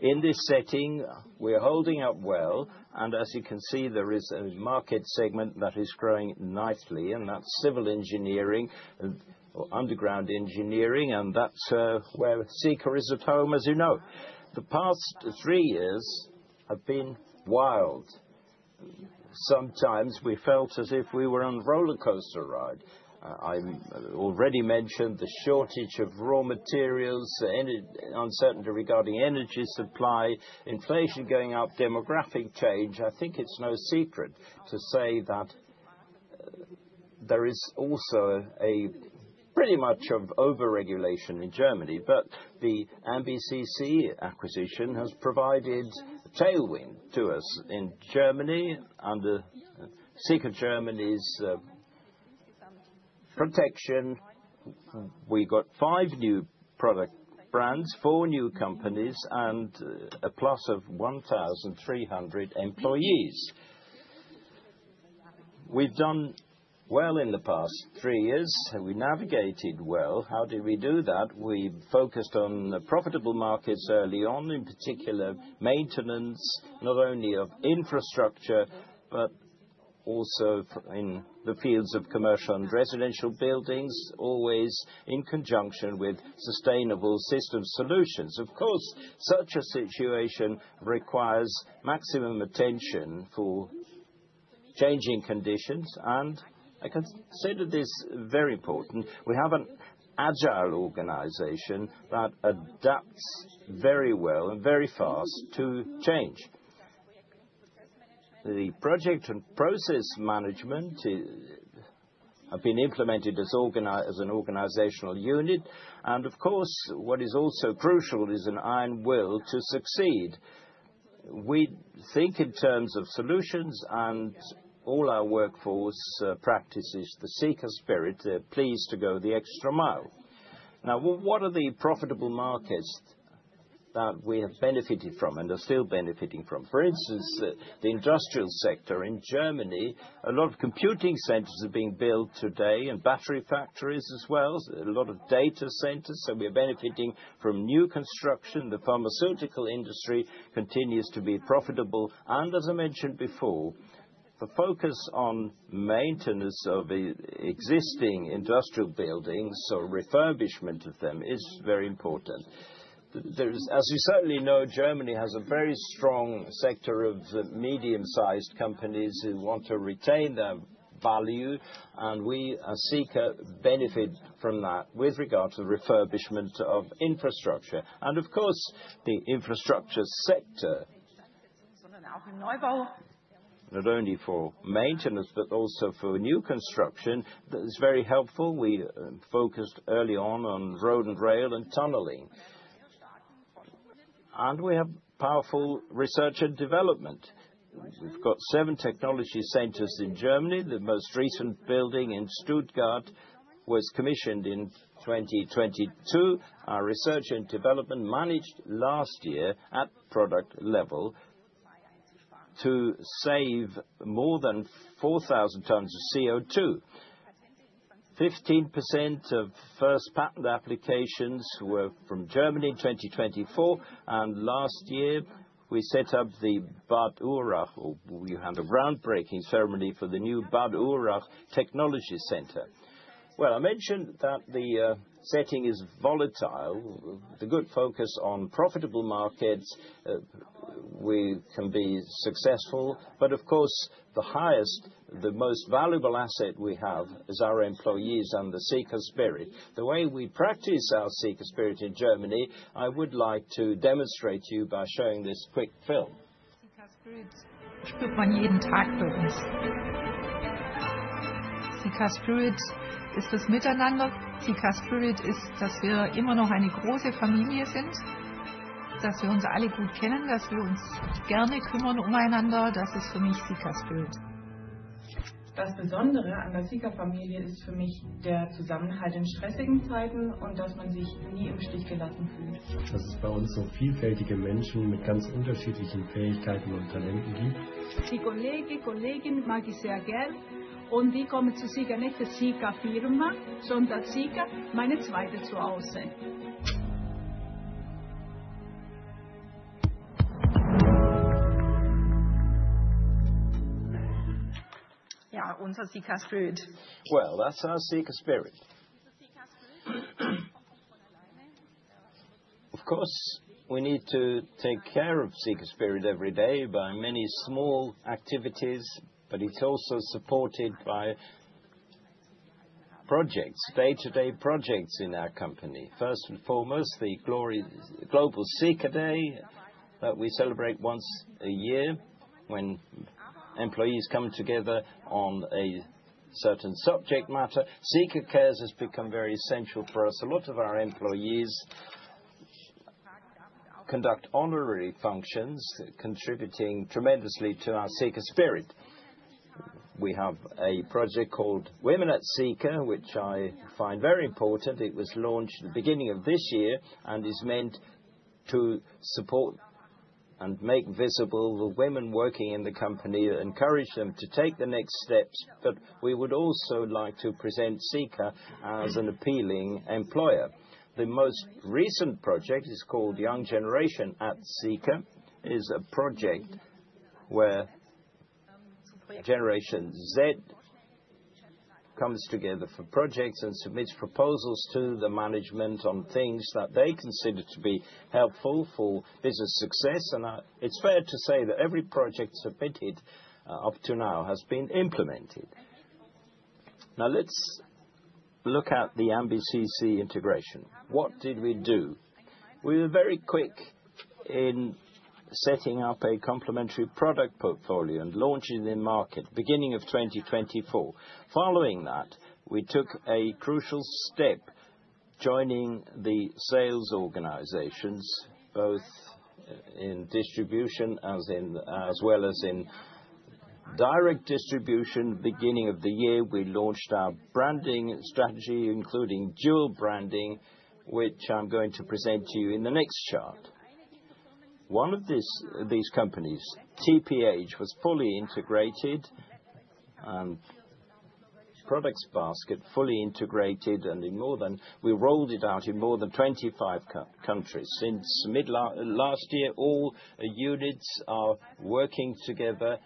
In this setting, we are holding up well. As you can see, there is a market segment that is growing nicely and that is civil engineering, underground engineering, and that is where Sika is at home. As you know, the past three years have been wild. Sometimes we felt as if we were on a roller coaster ride. I already mentioned the shortage of raw materials, uncertainty regarding energy supply, inflation going up, demographic change. I think it's no secret to say that there is also a pretty much of over regulation in Germany, but the MBCC acquisition has provided tailwind to us in Germany. Under Sika Germany's protection we got five new product brands, four new companies, and a plus of one employees. We've done well in the past three years. We navigated well. How did we do that? We focused on profitable markets early on, in particular maintenance not only of infrastructure but also in the fields of commercial and residential buildings, always in conjunction with sustainable system solutions. Of course, such a situation requires maximum attention for changing conditions and I consider this very important. We have an agile organization that adapts very well and very fast to change. The project and process management have been implemented as an organizational unit and of course what is also crucial is an iron will to succeed. We think in terms of solutions and all our workforce practices the Sika spirit. They're pleased to go the extra mile. Now what are the profitable markets that we have benefited from and are still benefiting from? For instance, the industrial sector in Germany. A lot of computing centers are being built today and battery factories as well, a lot of data centers. We are benefiting from new construction. The pharmaceutical industry continues to be profitable and as I mentioned before, the focus on maintenance of existing industrial buildings or refurbishment of them is very important. As you certainly know, Germany has a very strong sector of and medium sized companies who want to retain their value and we seek a benefit from that with regard to refurbishment of infrastructure and of course the infrastructure sector not only for maintenance but also for new construction is very helpful. We focused early on on road and rail and tunneling and we have powerful research and development. We've got seven technology centers in Germany. The most recent building in Stuttgart was commissioned in 2022. Our research and development managed last year at product level to save more than 4,000 tonnes of CO2. 15% of first patent applications were from Germany in 2024 and last year we set up the Bad Urach we had a groundbreaking ceremony for the new Bad Urach technology center. I mentioned that the setting is volatile. The good focus on profitable markets we can be successful, but of course the highest, the most valuable asset we have is our employees under Sika Spirit. The way we practice our Sika Spirit in Germany I would like to demonstrate to you by showing this quick film. That is our Sika Spirit. Of course we need to take care of Sika Spirit every day by many small activities. It is also supported by projects, day-to-day projects in our company. First and foremost, the global Sika Day that we celebrate once a year when employees come together on a certain subject matter. Sika Cares has become very essential for us. A lot of our employees conduct honorary functions contributing tremendously to our Sika Spirit. We have a project called Women at Sika which I find very important. It was launched the beginning of this year and is meant to support and make visible the women working in the company. Encourage them to take the next steps. We would also like to present Sika as an appealing employer. The most recent project is called Young Generation at Sika. It is a project where Generation Z comes together for projects and submits proposals to the management on things that they consider to be helpful for business success. It is fair to say that every project submitted up to now has been implemented. Now let's look at the MBCC integration. What did we do? We were very quick in setting up a complementary product portfolio and launching the market beginning of 2024. Following that, we took a crucial step joining the sales organizations both in distribution as well as in direct distribution. Beginning of the year we launched our branding strategy including dual branding which I'm going to present to you in the next chart. One of these companies, TPH, was fully integrated products basket. Fully integrated and in more than we rolled it out in more than 25 countries since mid last year. All units are working together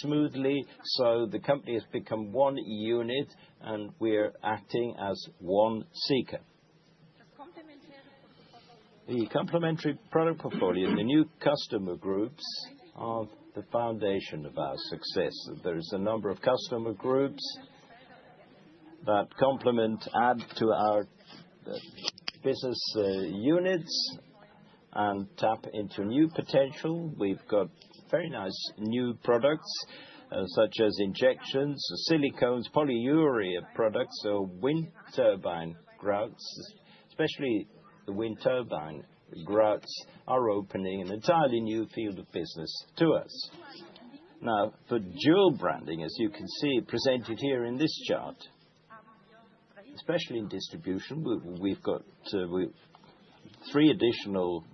smoothly. The company has become one unit and we are acting as one Sika. The complementary product portfolio. The new customer groups are the foundation of our success. There is a number of customer groups that complement, add to our business units, and tap into new potential. We've got very nice new products such as injections, silicones, polyurea products, winter grouts, especially the wind turbine grouts are opening an entirely new field of business to us. Now for dual branding. As you can see presented here in this chart, especially in distribution, we've got three additional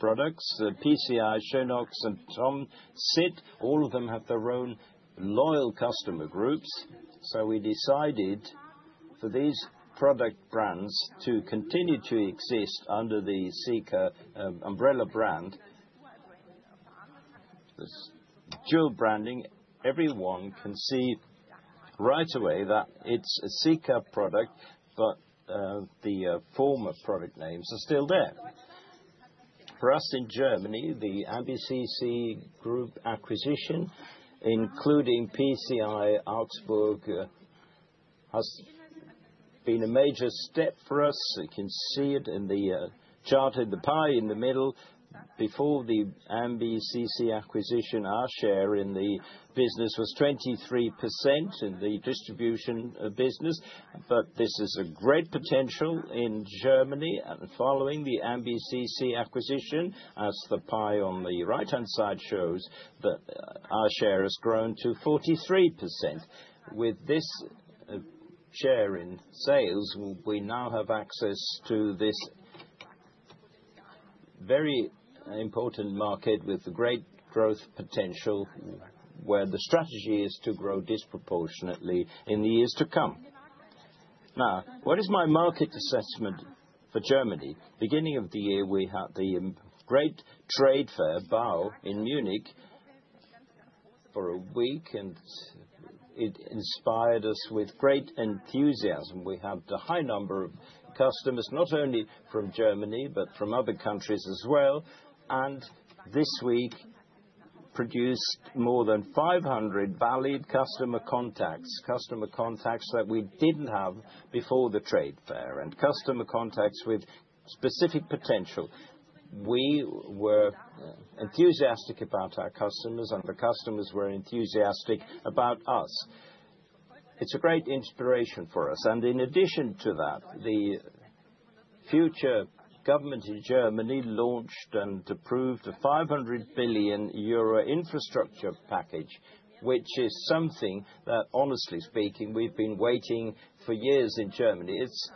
products. PCI, Schönox, and THOMSIT. All of them have their own loyal customer groups. We decided for these product brands to continue to exist under the Sika umbrella brand dual branding. Everyone can see right away that it's a Sika product. The former product names are still there for us in Germany. The MBCC Group acquisition including PCI Augsburg has been a major step for us. You can see it in the chart in the pie in the middle. Before the MBCC acquisition, our share in the business was 23% in the distribution business. This is a great potential in Germany. Following the MBCC acquisition, as the pie on the right hand side shows, our share has grown to 43%. With this share in sales, we now have access to this very important market with great growth potential where the strategy is to grow disproportionately in the years to come. Now, what is my market assessment for Germany? Beginning of the year we had the Great Trade Fair BAU in Munich for a week and it inspired us with great enthusiasm. We had a high number of customers, not only from Germany but from other countries as well and this week produced more than 500 valid customer contacts, customer contacts that we didn't have before the trade fair and customer contacts with specific potential. We were enthusiastic about our customers and the customers were enthusiastic about us. It's a great inspiration for us. In addition to that, the future government in Germany launched and approved a 500 billion euro infrastructure package, which is something that, honestly speaking, we've been waiting for years in Germany. It's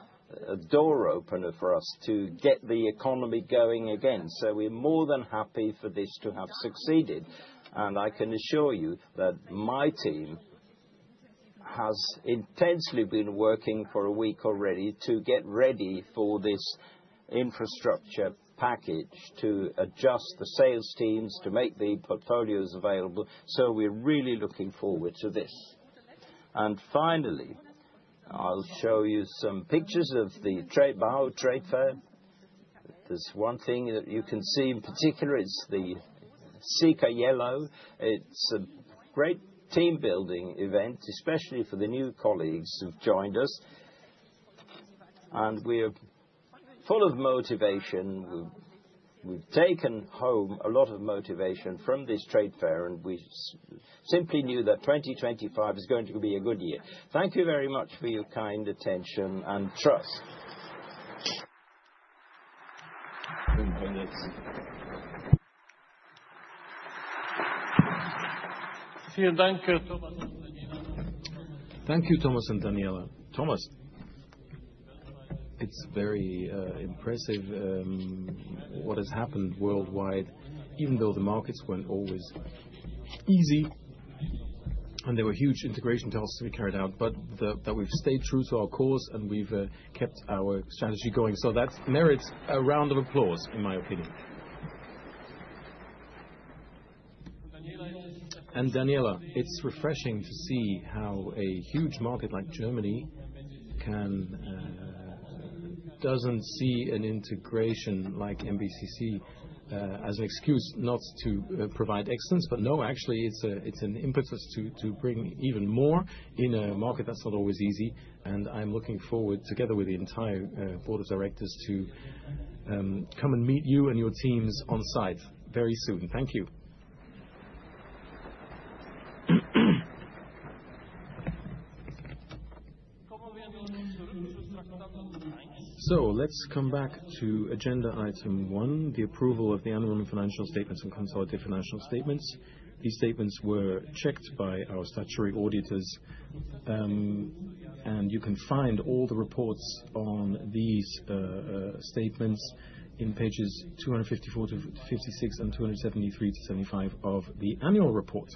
a door opener for us to get the economy going again. We're more than happy for this to have succeeded, and I can assure you that my team has intensely been working for a week already to get ready for this infrastructure package, to adjust the sales teams, to make the portfolios available. We're really looking forward to this. Finally, I'll show you some pictures of the BAU Trade Fair. There's one thing that you can see in particular: the Sika yellow. It's a great team building event, especially for the new colleagues who've joined us. We are full of motivation. We've taken home a lot of motivation from this trade fair and we simply knew that 2025 is going to be a good year. Thank you very much for your kind attention and trust. Thank you, Thomas and Daniela. Thomas. It's very impressive what has happened worldwide. Even though the markets weren't always easy and there were huge integration tasks we carried out, we've stayed true to our cause and we've kept our strategy going. That merits a round of applause in my opinion. Daniela, it's refreshing to see how a huge market like Germany doesn't see an integration like MBCC as an excuse not to provide excellence. Actually, it's an impetus to bring even more in a market that's not always easy. I'm looking forward, together with the entire Board of Directors, to come and meet you and your teams on site very soon. Thank you. Let's come back to Agenda Item 1, the approval of the annual financial statements and consolidated financial statements. These statements were checked by our statutory auditors and you can find all the reports on these statements in pages 25456 and 27375 of the annual report.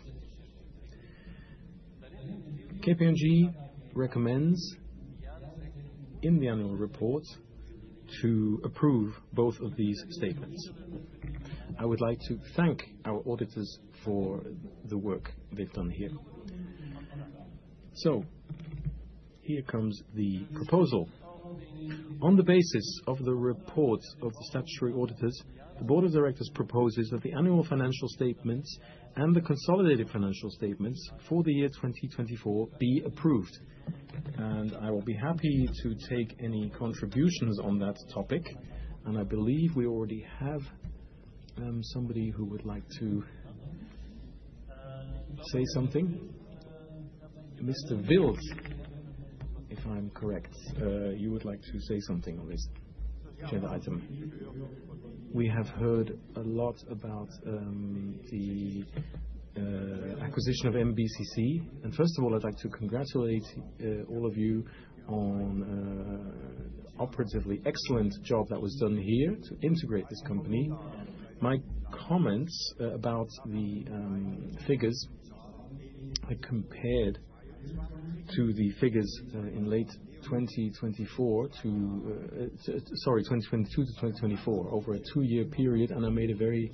KPMG recommends in the annual report to approve both of these statements. I would like to thank our auditors for the work they've done here. Here comes the proposal. On the basis of the report of the statutory auditors the Board of Directors proposes that the annual financial statements and the consolidated financial statements for the year 2024 be approved and I will be happy to take any contributions on that topic and I believe we already have somebody who would like to say something. Mr. Wild, if I'm correct, you would like to say something. On this item we have heard a lot about the acquisition of MBCC and first of all I'd like to congratulate all of you on an operatively excellent job that was done here to integrate this company. My comments about the figures are compared to the figures in late 2022 to 2024 over a two year period and I made a very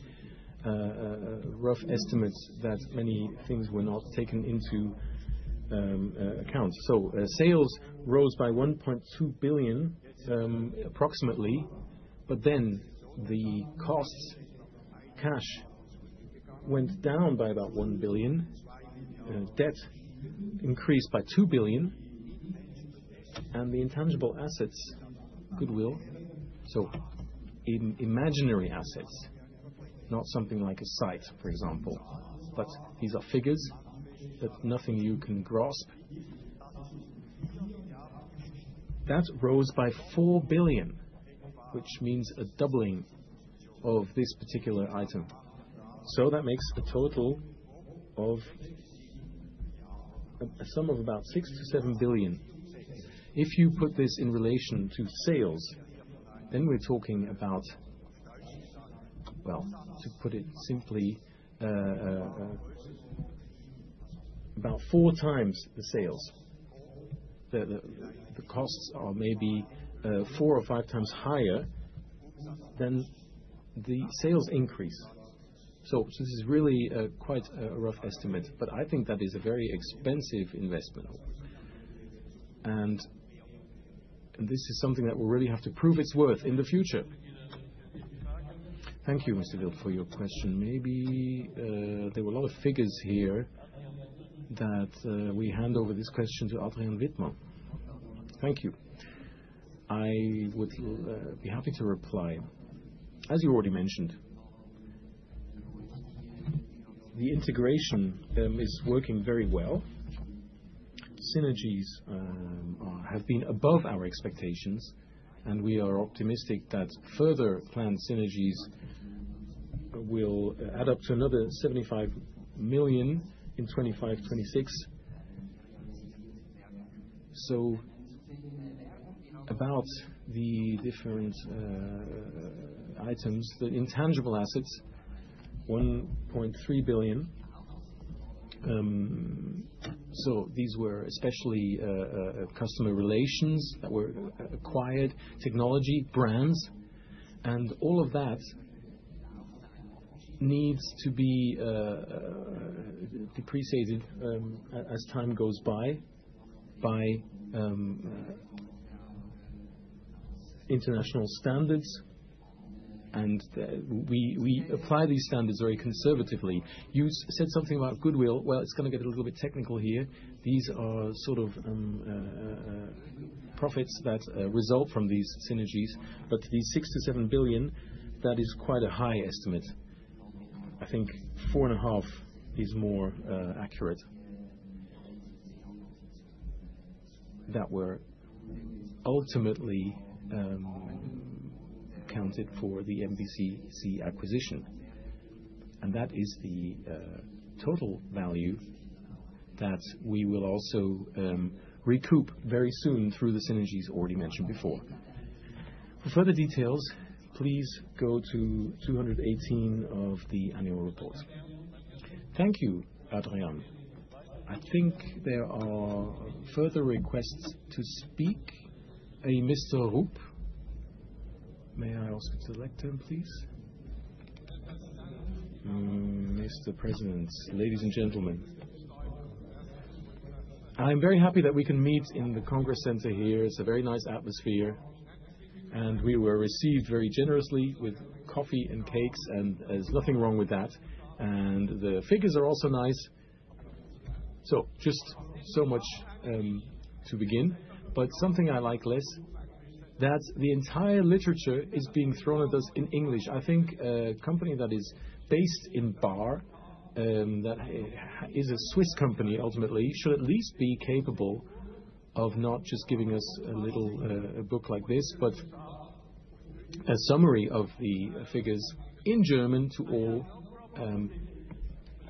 rough estimate that many things were not taken into account. Sales rose by 1.2 billion approximately but then the costs cash went down by about 1 billion, debt increased by 2 billion and the intangible assets, goodwill, so imaginary assets, not something like a site for example, but these are figures that nothing you can grasp, that rose by 4 billion, which means a doubling of this particular item. That makes a total of a sum of about 6-7 billion. If you put this in relation to sales, then we're talking about. Well to put it simply, about four times the sales. The costs are maybe four or five times higher than the sales increase, so this is really quite a rough estimate. I think that is a very expensive investment, and this is something that will really have to prove its worth in the future. Thank you, Mr. Wild, for your question. Maybe there were a lot of figures here, so we hand over this question to Adrian Widmer. Thank you. I would be happy to reply as you already mentioned the integration is working very well. Synergies have been above our expectations and we are optimistic that further planned synergies will add up to another 75 million in 2026. About the different items, the intangible assets 1.3 billion, these were especially customer relations that were acquired, technology, brands. All of that needs to be depreciated as time goes by by international standards, and we apply these standards very conservatively. You said something about goodwill. It is going to get a little bit technical here. These are sort of profits that result from these synergies. The 6 billion-7 billion, that is quite a high estimate. I think 4.5 billion is more accurate that we ultimately counted for the MBCC acquisition. That is the total value that we will also recoup very soon through the synergies already mentioned before. For further details, please go to 218 of the annual report. Thank you, Adrian. I think there are further requests to speak, a Mr. Rupp. May I ask to elect him, please? Mr. President, ladies and gentlemen, I'm very happy that we can meet in the Congress center here. It's a very nice atmosphere and we were received very generously with coffee and cakes and there's nothing wrong with that. The figures are also nice. Just so much to begin, but something I like less is that the entire literature is being thrown at us in English. I think a company that is based in Baar, that is a Swiss company, ultimately should at least be capable of not just giving us a little book like this, but a summary of the figures in German to all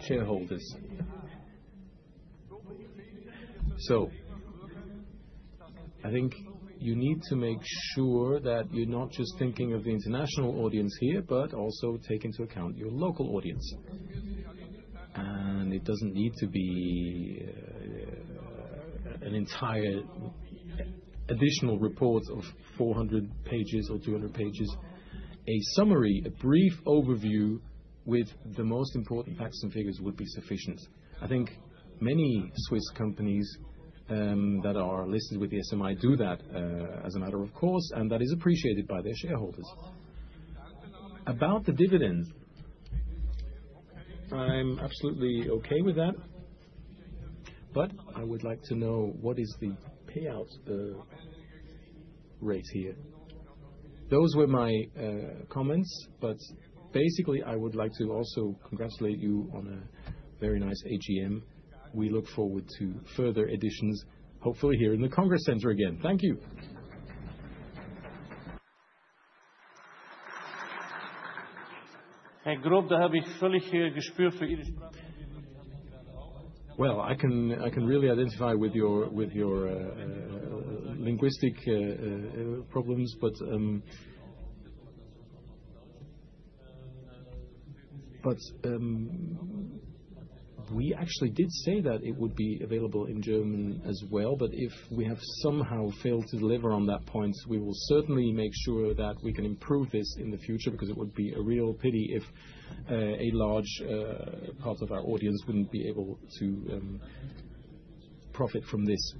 shareholders. I think you need to make sure that you're not just thinking of the international audience here, but also take into account your local audience. It doesn't need to be. An entire additional reports of 400 pages or 200 pages. A summary, a brief overview with the most important facts and figures would be sufficient. I think many Swiss companies that are listed with the SMI do that as a matter of course and that is appreciated by their shareholders. About the dividends, I'm absolutely okay with that, but I would like to know what is the payout rate here? Those were my comments, but basically I would like to also congratulate you on a very nice AGM. We look forward to further additions, hopefully here in the Congress Center. Again, thank you. I can really identify with your linguistic problems, but we actually did say that it would be available in German as well. If we have somehow failed to deliver on that point, we will certainly make sure that we can improve this in the future because it would be a real pity if a large part of our audience would not be able to profit from this.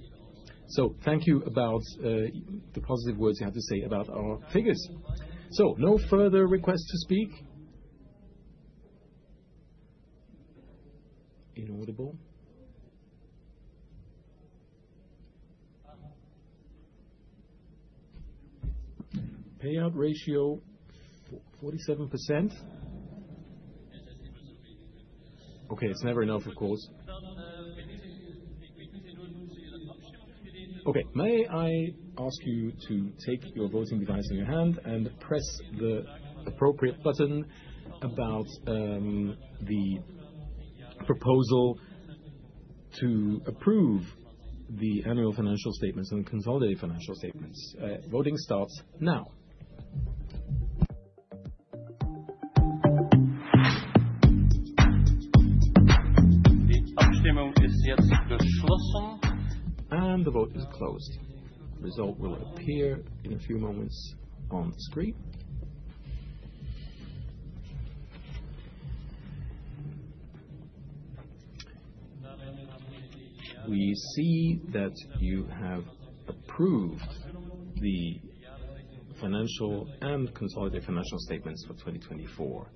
Thank you about the positive words you have to say about our figures. No further request to speak. Payout ratio 47%. Okay. It is never enough. Of course. Okay. May I ask you to take your voting device in your hand and press the appropriate button about the proposal to approve the annual financial statements and consolidated financial statements. Voting starts now. The vote is closed. Result will appear in a few moments on social media. We see that you have approved the financial and consolidated financial statements for 2024.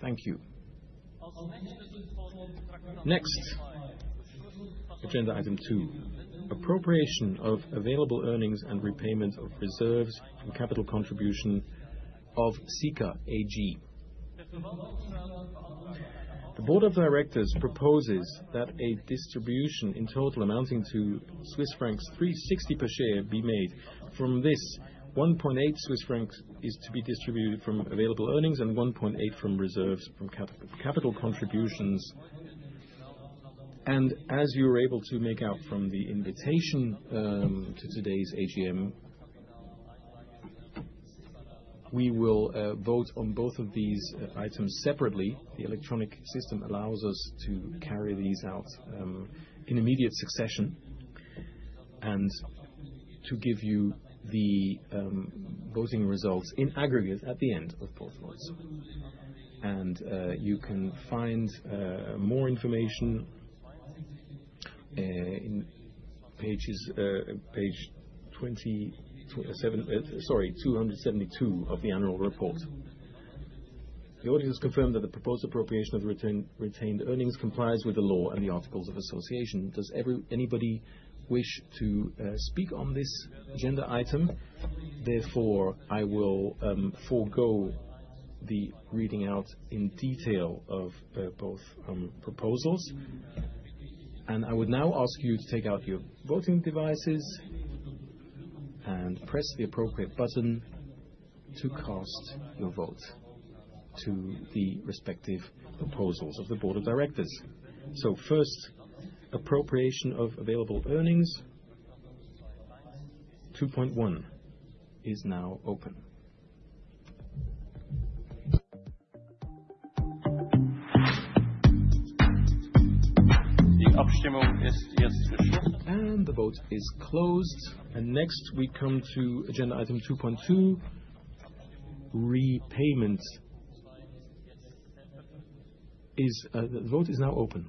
Thank you. Agenda Item 2. Appropriation of available earnings and repayment of reserves and capital contribution of Sika AG. The Board of Directors proposes that a distribution in total amounting to Swiss francs 3.60 per share be made from this. 1.80 Swiss francs is to be distributed from available earnings and 1.80 from reserves from capital contributions. As you were able to make out from the invitation to today's AGM, we will vote on both of these items separately. The electronic system allows us to carry these out in immediate succession and to give you the voting results in aggregate at the end of proceedings. You can find more information on page 272 of the annual report. The audience confirmed that the proposed appropriation of retained earnings complies with the law and the articles of association. Does anybody wish to speak on this agenda item? Therefore, I will forego the reading out in detail of both proposals. I would now ask you to take out your voting devices and press the appropriate button to cast your vote to the respective proposals of the Board of Directors. First, appropriation of Available Earnings 2.1 is now open. The vote is closed. Next, we come to agenda item 2.2. Repayments is. The vote is now open.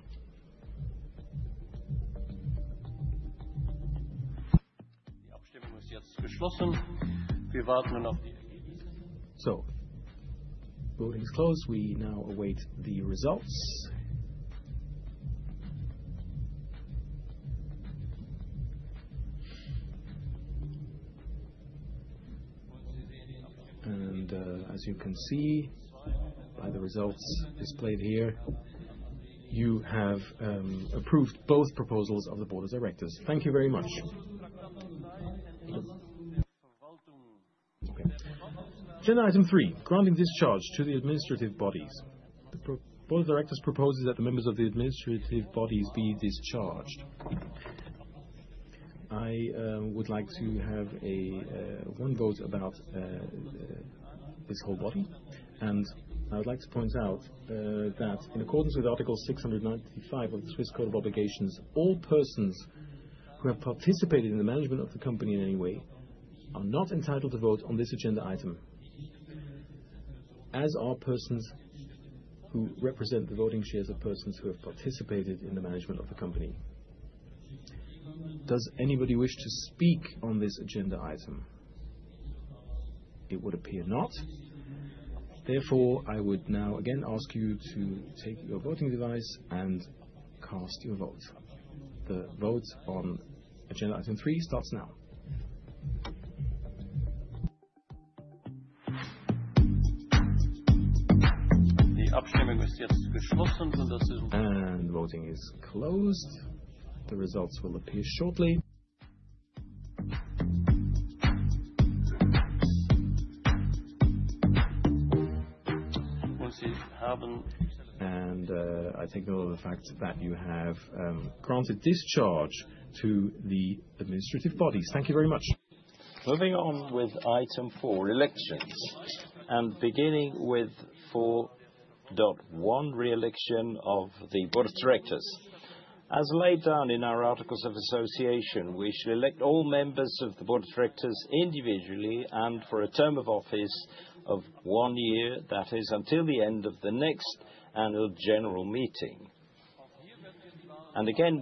Voting is closed. We now await the results. As you can see by the results displayed here, you have approved both proposals of the Board of Directors. Thank you very much. General Item 3. Granting discharge to the administrative bodies. The Board of Directors proposes that the members of the administrative bodies be discharged. I would like to have one vote about this whole body. I would like to point out that in accordance with Article 695 of the Swiss Code of Obligations, all persons who have participated in the management of the company in any way are not entitled to vote on this agenda item, as are persons who represent the voting shares of persons who have participated in the management of the company. Does anybody wish to speak on this agenda item? It would appear not. Therefore, I would now again ask you to take your voting device and cast your vote. The vote on agenda item 3 starts now. Voting is closed. The results will appear shortly. I take note of the fact. That you have granted discharge to the administrative bodies. Thank you very much. Moving on with item four elections and beginning with 4.1 re-election of the Board of Directors. As laid down in our articles of association, we shall elect all members of the Board of Directors individually and for a term of office of one year. That is until the end of the next annual general meeting.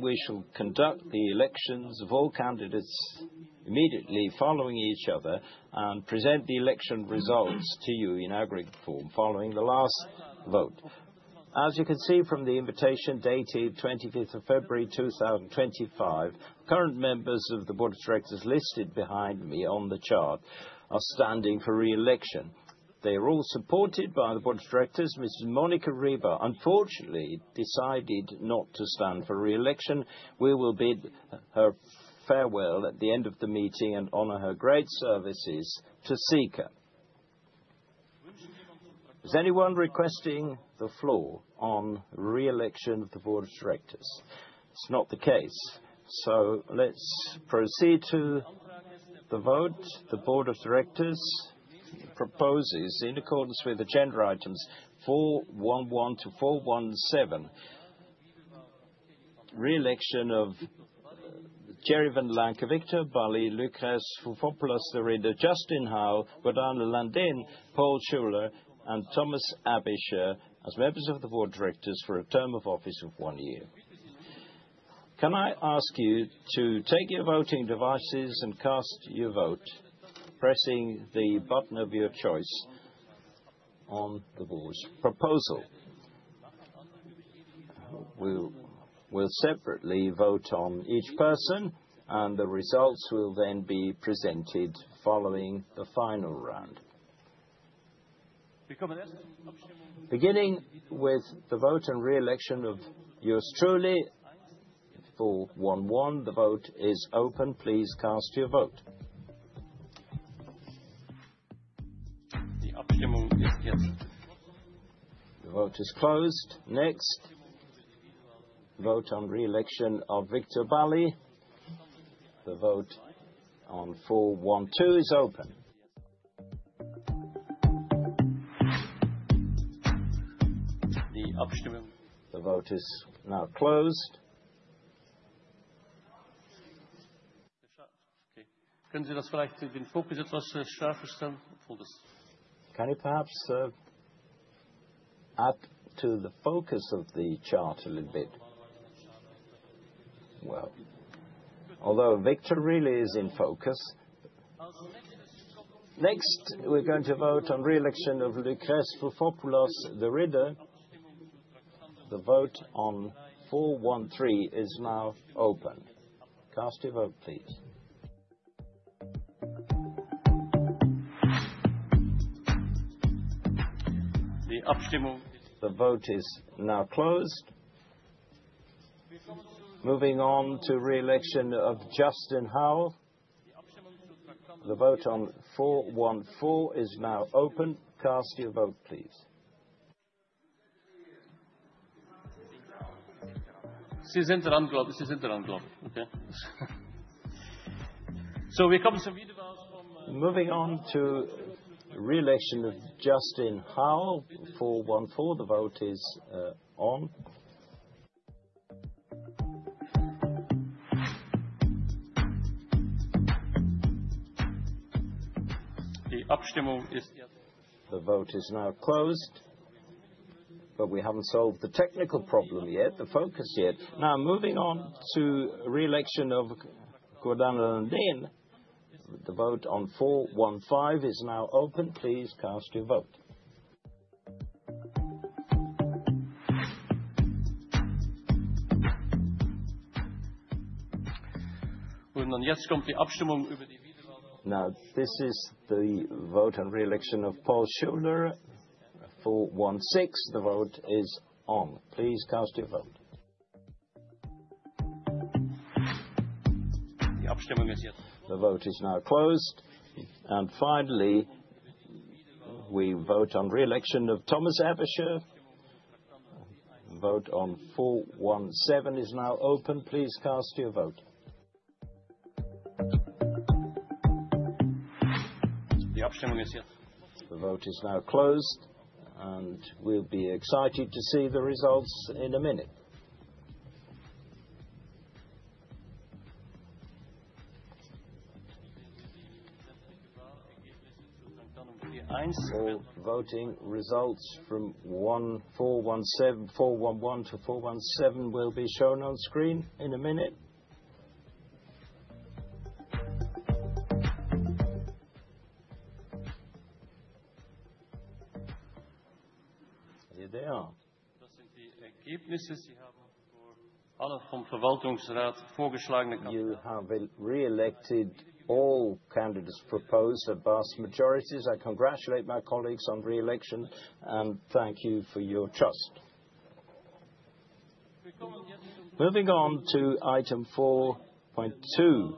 We shall conduct the elections of all candidates immediately following each other and present the election results to you in aggregate form following the last vote. As you can see from the invitation dated 25th of February 2025, current members of the Board of Directors listed behind me on the chart are standing for re-election. They are all supported by the Board of Directors. Mrs. Monika Ribar unfortunately decided not to stand for re-election. We will bid her farewell at the end of the meeting and honor her great services to Sika. Is anyone requesting the floor on re-election of the Board of Directors? It's not the case. Let's proceed to the vote. The Board of Directors proposes in accordance with agenda items 411 to 417 re-election of Thierry Vanlancker, Viktor Balli, Lucrèce Foufopoulos-De Ridder, Justin Howell, Gordana Landén, Paul Schuler, and Thomas Thomas Aebischer as members of the Board of Directors for a term of office of one year. Can I ask you to take your voting devices and cast your vote pressing the button of your choice on the board's proposal? We will separately vote on each person and the results will then be presented following the final round, beginning with the vote and re-election of yours truly. 411. The vote is open. Please cast your vote. The optimum is here. The vote is closed. Next, vote on re-election of Viktor Balli. The vote on 412 is open. The vote is now closed. Can you perhaps add to the focus of the chart a little bit? Although Viktor really is in focus. Next, we're going to vote on re-election of Lucrèce Foufopoulos-De Ridder. The vote on 413 is now open. Cast your vote please. The vote is now closed. Moving on to re-election of Justin Howell. The vote on 414 is now open. Cast your vote please. We come moving on to re. Election of Justin Howell 414. The vote is on. The vote is now closed. We have not solved the technical problem yet. The focus now moving on to re-election of Gordana Landén. The vote on 415 is now open. Please cast your vote now. This is the vote and re-election of Paul Schuler. 416 the vote is on. Please cast your vote. The vote is now closed. Finally, we vote on re-election of Thomas Hasler. Vote on 417 is now open. Please cast your vote. The vote is now closed. We will be excited to see the results in a minute. All voting results from 411 to 417 will be shown on screen in a minute. Here they are. Re-elected. All candidates proposed at vast majorities. I congratulate my colleagues on re-election and thank you for your trust. Moving on to item 4.2,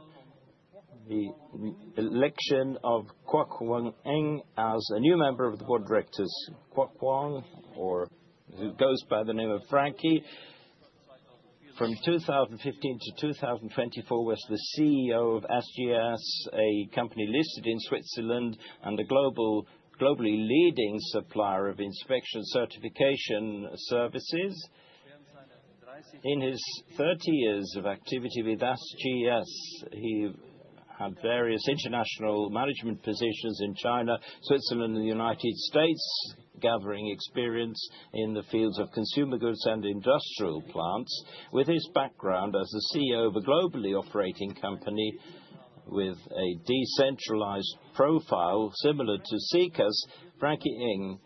the election of Kwok Wang Ng as a new member of the Board of Directors. Kwok Wang, or who goes by the name of Frankie, from 2015 to 2024 was the CEO of SGS, a company listed in Switzerland and a globally leading supplier of inspection certification services. In his 30 years of activity with SGS, he had various international management positions in China, Switzerland and the United States, gathering experience in the fields of consumer goods and industrial plants. With his background as the CEO of a globally operating company with a decentralized profile similar to Sika's, Frankie Ng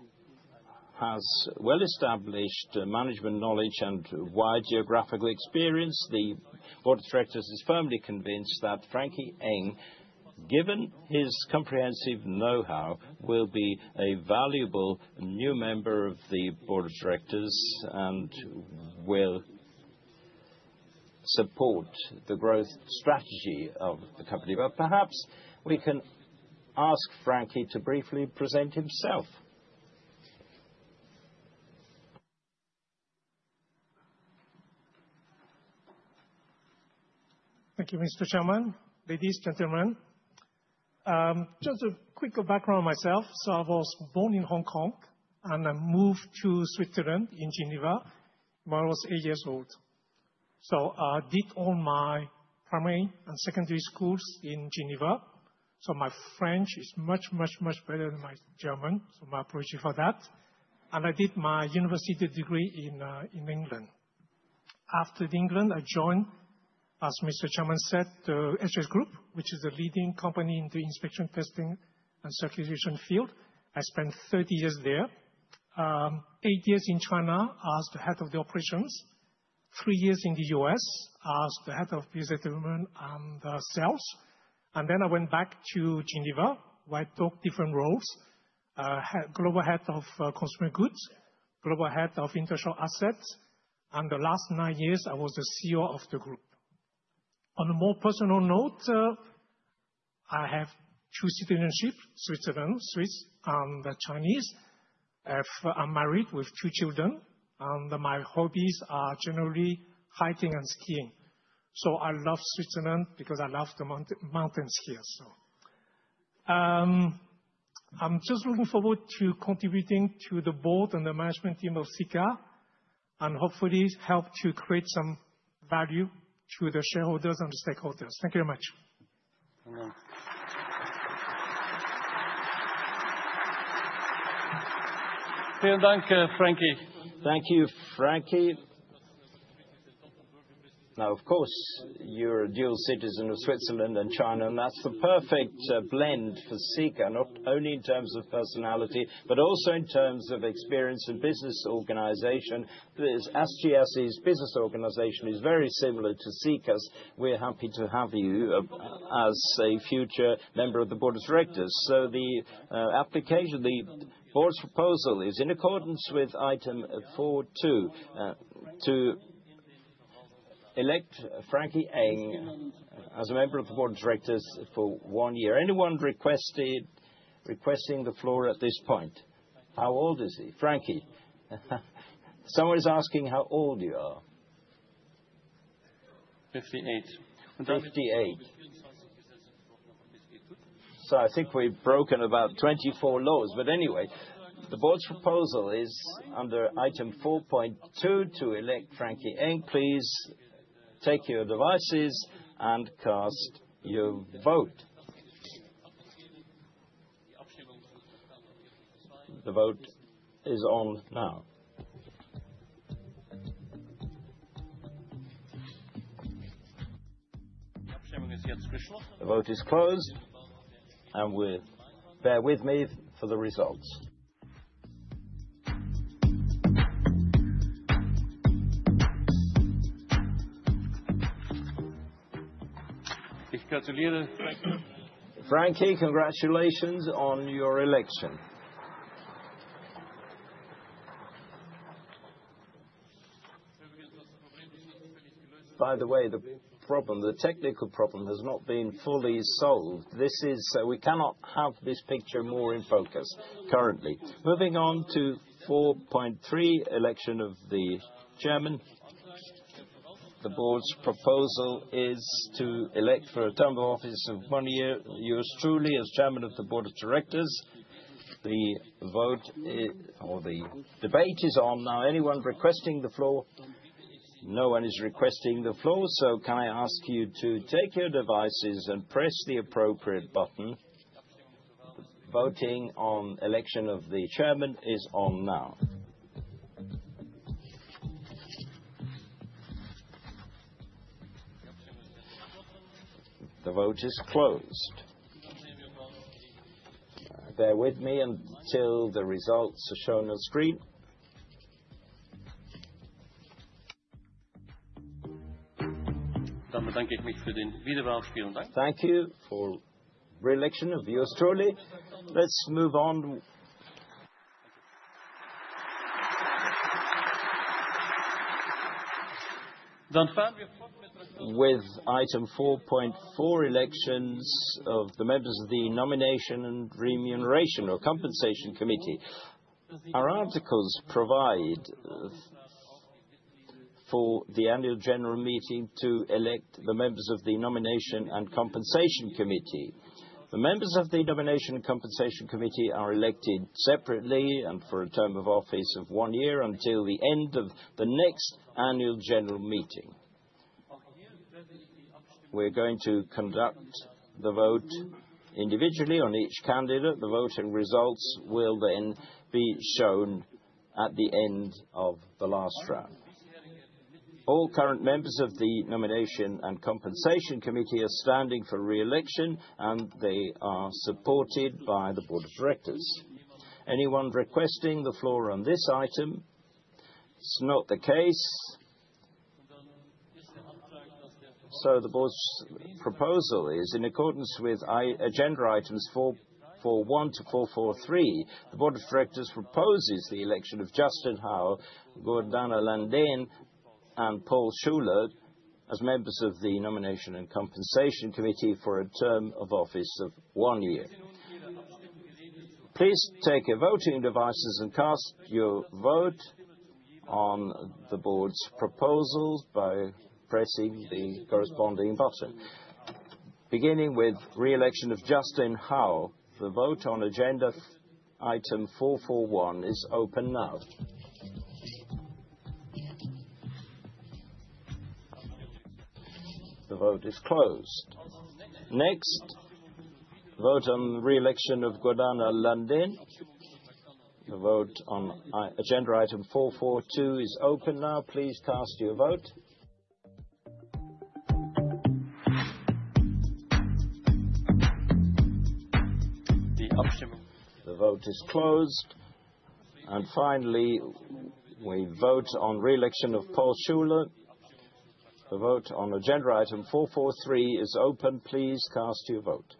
has well established management knowledge and wide geographical experience. The Board of Directors is firmly convinced that Frankie Ng, given his comprehensive know how, will be a valuable new member of the Board of Directors and will support the growth strategy of the company. Perhaps we can ask Frankie to briefly present himself. Thank you, Mr. Chairman, ladies, gentlemen. Just a quick background myself. I was born in Hong Kong and I moved to Switzerland in Geneva when I was eight years old. I did all my primary and secondary schools in Geneva. My French is much, much, much better than my German. My approach is for that. I did my university degree in England. After England, I joined, as Mr. Chairman said, the SGS Group, which is the leading company in the inspection, testing and certification field. I spent 30 years there, eight years in China as the head of the operations, three years in the US as the head of Business Development and Sales, and then I went back to Geneva where I took different roles. Global Head of Consumer Goods, Global Head of International Assets and the last nine years I was the CEO of the group. On a more personal note, I have two citizenships, Swiss and Chinese. I'm married with two children and my hobbies are generally hiking and skiing. I love Switzerland because I love the mountains here. Just looking forward to contributing to the Board and the management team of Sika and hopefully help to create some value to the shareholders and stakeholders. Thank you very much. Thank you, Frankie. Now of course you're a dual citizen of Switzerland and China. That's the perfect blend for Sika, not only in terms of personality but also in terms of experience in business organization. SGS's business organization is very similar to Sika's. We're happy to have you as a future member of the Board of Directors. The application, the board's proposal, is in accordance with item 4.2, to elect Frankie Ng as a member of the Board of Directors for one year. Anyone requesting the floor at this point? How old is he? Frankie, someone is asking how old you are. Fifty-eight. Fifty-eight. I think we've broken about 24 laws. Anyway, the board's proposal is under item 4.2 to elect Frankie Ng. Please take your devices and cast your vote. The vote is on now. The vote is closed and bear with me for the results. Frankie, congratulations on your election, by the way. The problem, the technical problem has not been fully solved. This is, we cannot have this picture more in focus currently. Moving on to 4.3. Election of the Chairman. The Board's proposal is to elect for a term of office of one year, yours truly as Chairman of the Board of Directors. The vote or the debate is on now. Anyone requesting the floor? No one is requesting the floor, so can I ask you to take your devices and press the appropriate button? Voting on election of the Chairman is on now. The vote is closed. Bear with me until the results are shown on screen. Thank you. For re-election of the Australia. Let's move on with Item 4.4. Elections of the members of the Nomination and Compensation Committee. Our articles provide for the Annual General Meeting to elect the members of the Nomination and Compensation Committee. The members of the Nomination and Compensation Committee are elected separately and for a term of office of one year until the end of the next Annual General Meeting. We're going to conduct the vote individually on each candidate. The voting results will then be shown at the end of the last round. All current members of the Nomination and Compensation Committee are standing for re-election and they are supported by the Board of Directors. Anyone requesting the floor on this item is not the case. The Board's proposal is in accordance with agenda items 41-44 3. The Board of Directors proposes the election of Justin Howell, Gordana Landén, and Paul Schuler as members of the Nomination and Compensation Committee for a term of office of one year. Please take your voting devices and cast your vote on the Board's proposals by pressing the corresponding button. Beginning with re-election of Justin Howell. The vote on agenda item 441 is open now. The vote is closed. Next, vote on re-election of Gordana Landén. The vote on agenda item 442 is open now. Please cast your vote. The vote is closed. Finally, we vote on re-election of Paul Schuler. The vote on agenda item 443 is open. Please cast your vote.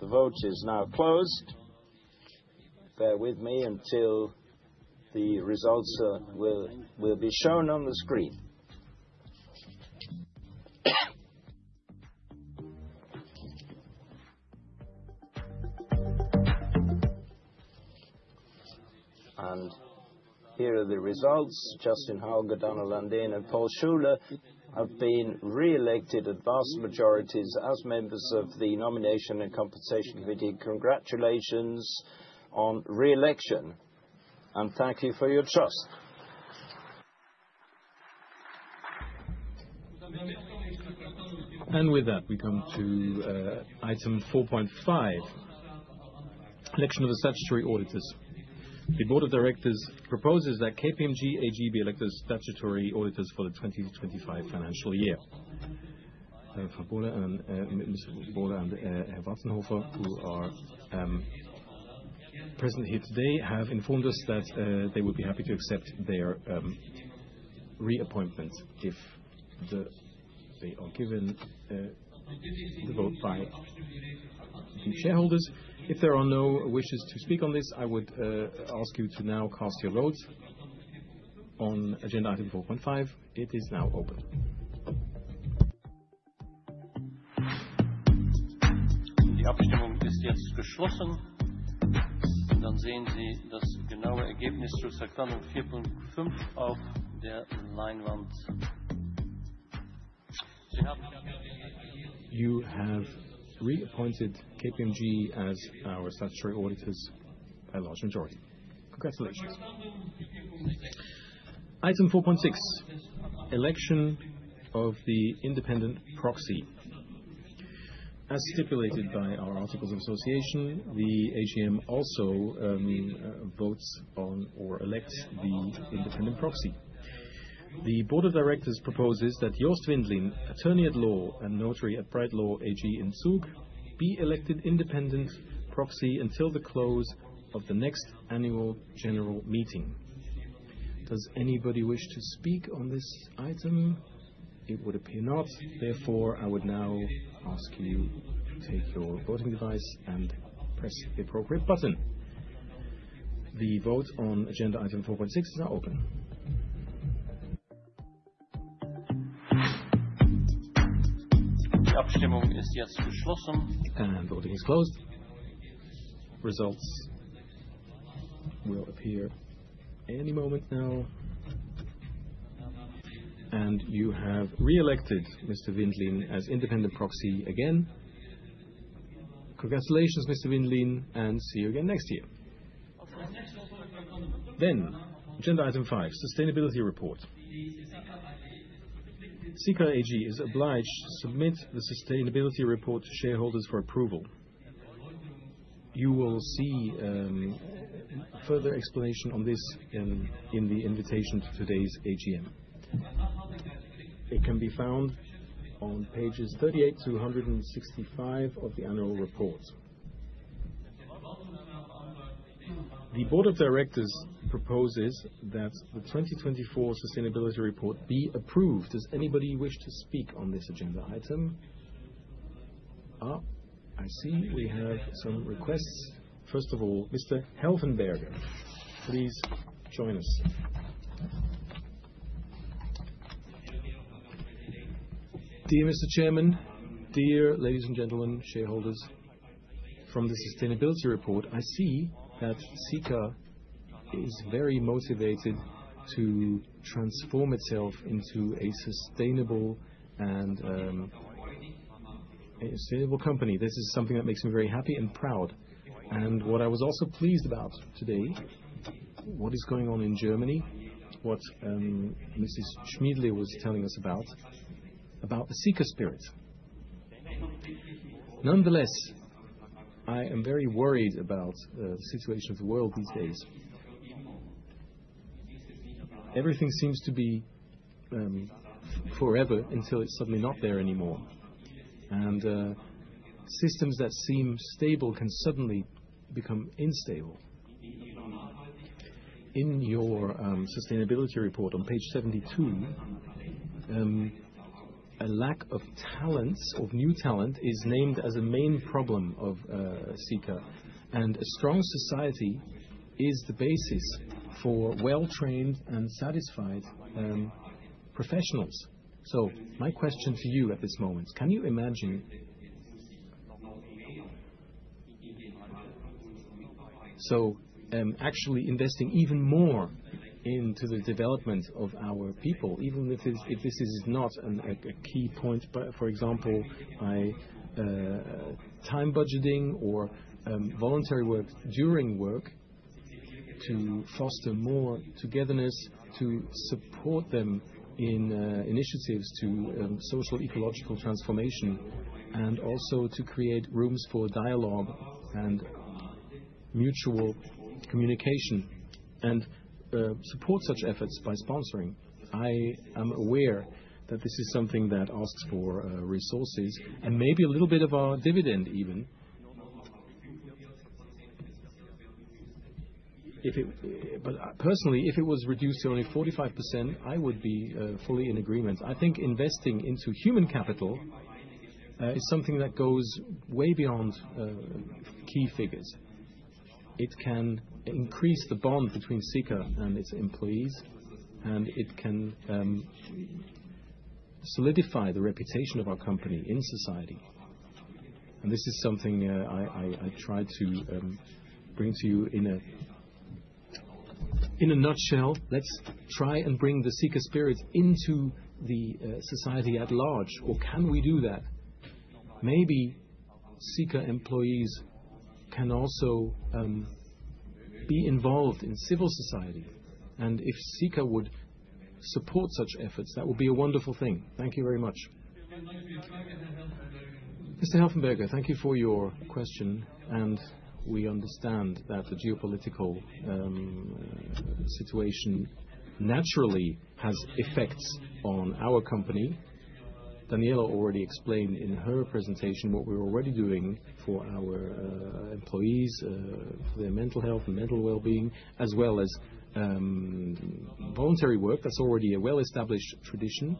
The vote is now closed. Bear with me until the results will be shown on the screen. Here are the results. Justin Howell, Gordana Landén, and Paul Schuler have been re-elected at vast majorities as members of the Nomination and Compensation Committee. Congratulations on re-election and thank you for your trust. With that we come to item 4.5. Election of the statutory auditors. The Board of Directors proposes that KPMG AG be elected statutory auditors for the 2025 financial year. KPMG AG, who are present here today, have informed us that they would be happy to accept their reappointment if they are given the vote by the shareholders. If there are no wishes to speak on this, I would ask you to now cast your vote on agenda item 4.5. It is now open. Of their line round. You have reappointed KPMG as our statutory auditors. A large majority. Congratulations. Item 4.6. Election of the independent proxy. As stipulated by our articles of association, the AGM also votes on or elects the independent proxy. The Board of Directors proposes that Jost Windlin, Attorney at Law and Notary at Bright Law AG in Zug, be elected independent proxy until the close of the next annual general meeting. Does anybody wish to speak on this item? It would appear not. Therefore, I would now ask you take your voting device and press the appropriate button. The vote on agenda item 4.6 is now open. Voting is closed. Results will appear any moment now. You have re-elected Mr. Windlin as independent proxy. Again, congratulations, Mr. Windlin. See you again next year then. Agenda item 5, sustainability report. Sika AG is obliged to submit the Sustainability Report to shareholders for approval. You will see further explanation on this in the invitation to today's AGM. It can be found on pages 38 to 165 of the Annual Report. The Board of Directors proposes that the 2024 Sustainability Report be approved. Does anybody wish to speak on this agenda item? I see we have some requests. First of all, Mr. Helvenberger, please join us. Dear Mr. Chairman, dear ladies and gentlemen, shareholders, from the Sustainability Report, I see that Sika is very motivated to transform itself into a sustainable, sustainable and sustainable company. This is something that makes me very happy and proud. What I was also pleased about today is what is going on in Germany, what Mrs. Schmiedle was telling us about, about the Sika spirit. Nonetheless, I am very worried about the situation of the world these days. Everything seems to be forever until it's suddenly not there anymore. Systems that seem stable can suddenly become instable. In your sustainability report on page 72, a lack of talents, of new talent is named as a main problem of sustainable Sika. A strong society is the basis for well trained and satisfied professionals. My question to you at this moment, can you imagine actually investing even more into the development of our people, even if this is not a key point, for example, by time budgeting or voluntary work during work to foster more togetherness, to support them in initiatives to social ecological transformation and also to create rooms for dialogue and mutual communication and support such efforts by sponsoring. I am aware that this is something that asks for resources and maybe a little bit of a dividend even. Personally, if it was reduced to only 45%, I would be fully in agreement. I think investing into human capital is something that goes way beyond key figures. It can increase the bond between Sika and its employees and it can solidify the reputation of our company in society. This is something I try to bring to you. In a nutshell, let's try and bring the Sika spirit into the society at large. Can we do that? Maybe Sika employees can also be involved in civil society. If Sika would support such efforts, that would be a wonderful thing. Thank you very much, Mr. Helfenberger. Thank you for your question. We understand that the geopolitical situation naturally has effects on our company. Daniela already explained in her presentation what we're already doing for our employees, their mental health and mental well being as well as voluntary work. That's already a well established tradition.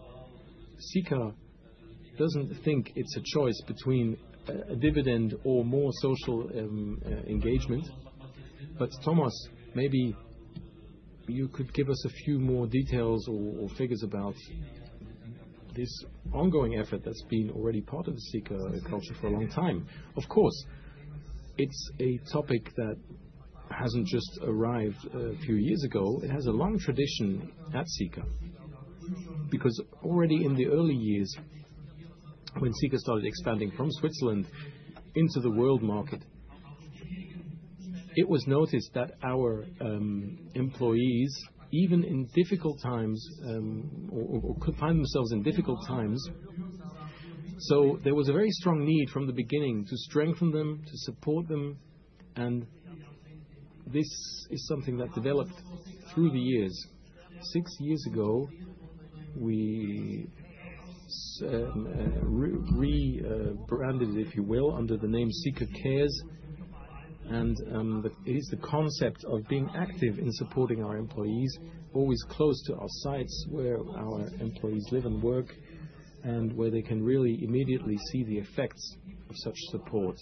Sika doesn't think it's a choice between a dividend or more social engagement. Thomas, maybe you could give us a few more details or figures about this ongoing effort that's been already part of the Sika culture for a long time. Of course, it's a topic that hasn't just arrived a few years ago. It has a long tradition at Sika because already in the early years, when Sika started expanding from Switzerland into the world market, it was noticed that our employees, even in difficult times, could find themselves in difficult times. There was a very strong need from the beginning to strengthen them to support them. This is something that developed through the years. Six years ago, we. Rebranded, if you. Will, under the name Sika Cares. It is the concept of being active in supporting our employees, always close to our sites, where our employees live and work and where they can really immediately see the effects of such support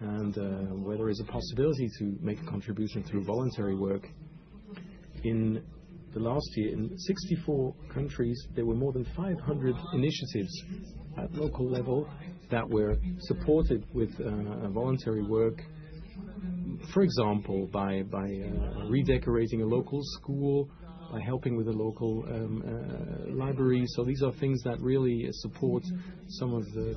and where there is a possibility to make a contribution through voluntary work. In the last year, in 64 countries, there were more than 500 initiatives at local level that were supported with voluntary work. For example, by redecorating a local school, by helping with the local library. These are things that really support some of the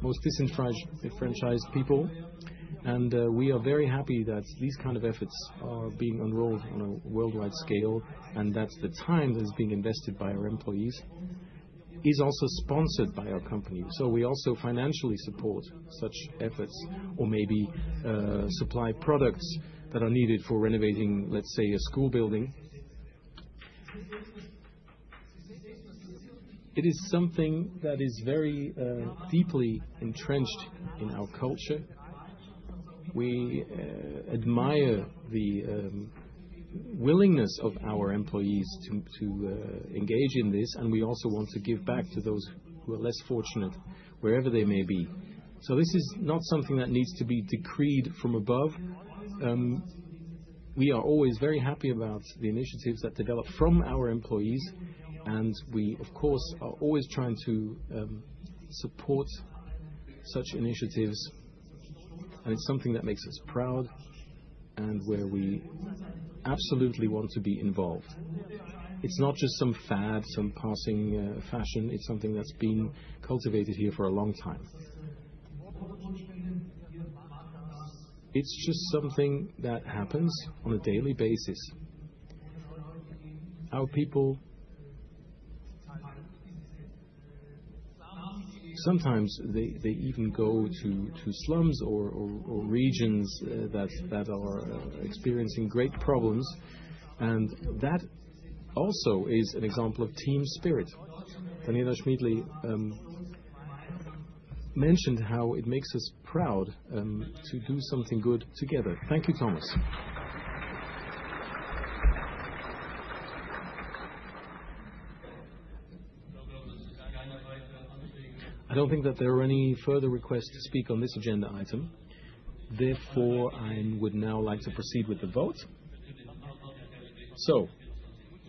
most disenfranchised people. We are very happy that these kind of efforts are being enrolled on worldwide scale. The time that is being invested by our employees is also sponsored by our company. We also financially support such efforts or maybe supply products that are needed for renovating, let's say, a school building. It is something that is very deeply entrenched in our culture. We admire the willingness of our employees to engage in this. We also want to give back to those who are less fortunate, wherever they may be. This is not something that needs to be decreed from above. We are always very happy about the initiatives that develop from our employees. We, of course, are always trying to support such initiatives. It is something that makes us proud and where we absolutely want to be involved. It is not just some fad, some passing fashion. It is something that has been cultivated here for a long time. It is just something that happens on a daily basis. Our people, sometimes they even go to slums or regions that are experiencing great problems. That also is an example of team spirit. Daniela Schmiedle mentioned how it makes us proud to do something good together. Thank you, Thomas. I do not think that there are any further requests to speak on this agenda item. Therefore, I would now like to proceed with the vote. The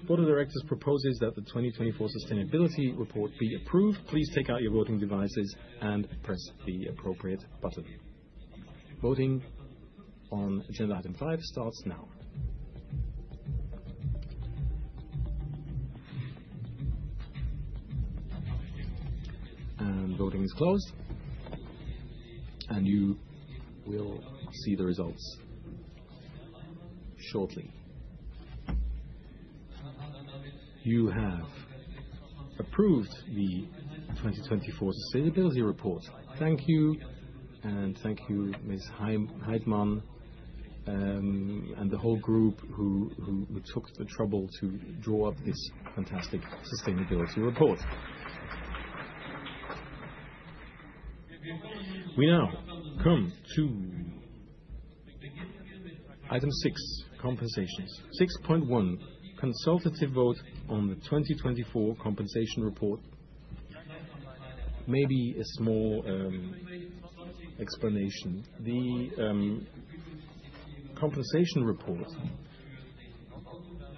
Board of Directors proposes that the 2024 Sustainability Report be approved. Please take out your voting devices and press the appropriate button. Voting on agenda item 5 starts now. Voting is closed and you will see the results shortly. You have approved the 2024 Sustainability Report. Thank you. Thank you, Ms. Heidtman and the whole group who took the trouble to draw up this fantastic Sustainability Report. We now come to item 6, compensations. 6.1 consultative vote on the 2024 Compensation Report. Maybe a small explanation. The compensation report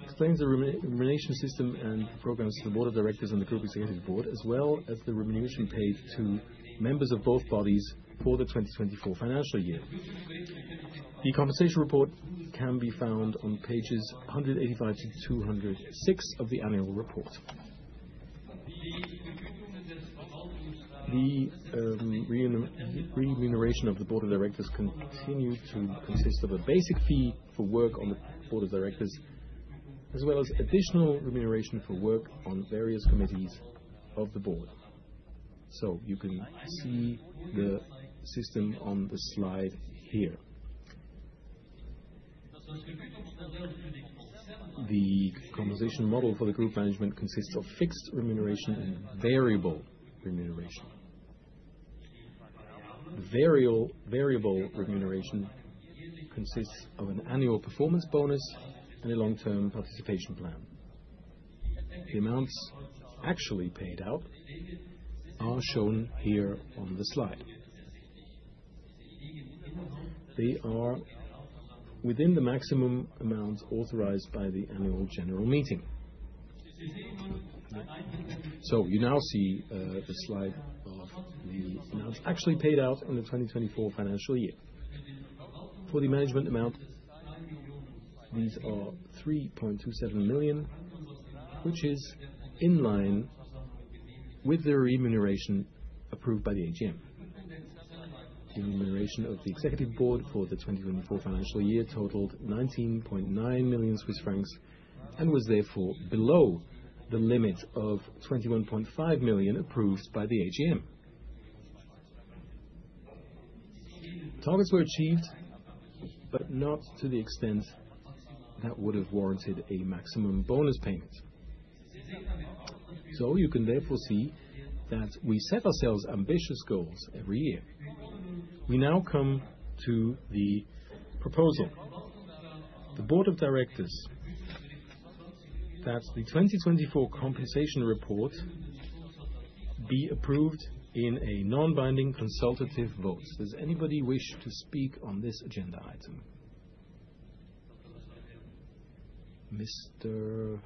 explains the remuneration system and programs to the Board of Directors and the Group Executive Board as well as the remuneration paid to members of both bodies for the 2020 financial year. The compensation report can be found on pages 185 to 206 of the annual report. The remuneration of the Board of Directors continues to consist of a basic fee for work on the Board of Directors as well as additional remuneration for work on various committees of the board. You can see the system on the slide here. The compensation model for the Group Management consists of fixed remuneration and variable remuneration. Variable remuneration consists of an annual performance bonus and a long-term profit participation plan. The amounts actually paid out are shown here on the slide. They are within the maximum amount authorized by the Annual General Meeting. You now see the slide of the amount actually paid out in the 2024 financial year for the management amount. These are 3.27 million, which is in line with the remuneration approved by the AGM. The remuneration of the executive board for the 2024 financial year totaled 19.9 million Swiss francs and was therefore below the limit of 21.5 million approved by the AGM. Targets were achieved, but not to the extent that would have warranted a maximum bonus payment. You can therefore see that we set ourselves ambitious goals every year. We now come to the proposal, the Board of Directors, that the 2024 compensation report be approved in a non-binding consultative vote. Does anybody wish to speak on this agenda item? Mr.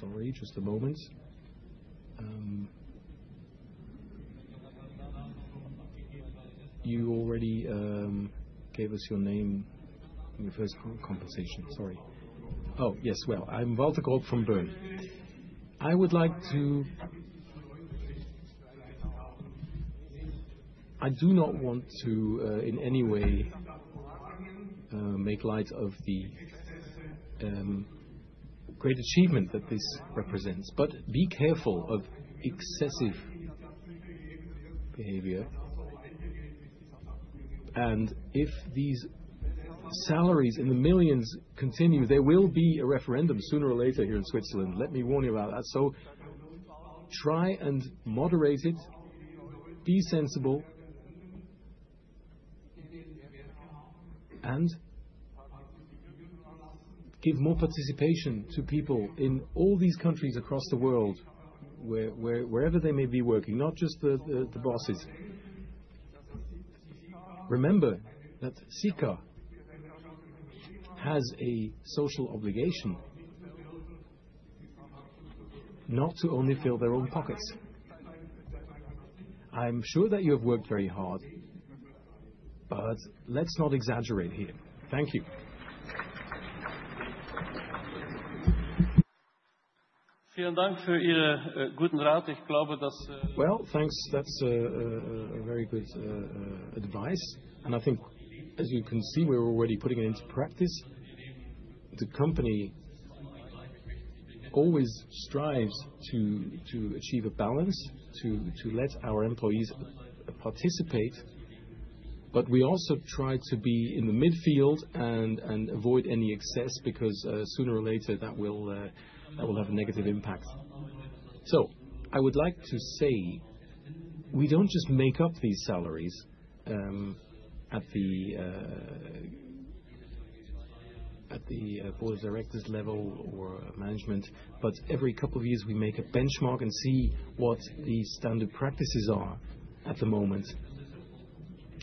Sorry, just a moment. You already gave us your name in your first group compensation. Oh, yes. I am Walter Grob from Berlin. I would like to. I do not want to in any way make light of the great achievement that this represents. Be careful of excessive behavior. If these salaries in the millions continue, there will be a referendum sooner or later here in Switzerland. Let me warn you about that. Try and moderate it. Be sensible and give more participation to people in all these countries across the world, wherever they may be working, not just the bosses. Remember that Sika has a social obligation not to only fill their own pockets. I'm sure that you have worked very hard, but let's not exaggerate here. Thank you. That's very good advice. I think, as you can see, we're already putting it into practice. The company always strives to achieve a balance, to let our employees participate. We also try to be in the midfield and avoid any excess, because sooner or later that will have a negative impact. I would like to say we do not just make up these salaries at the Board of Directors level or management. Every couple of years we make a benchmark and see what the standard practices are at the moment.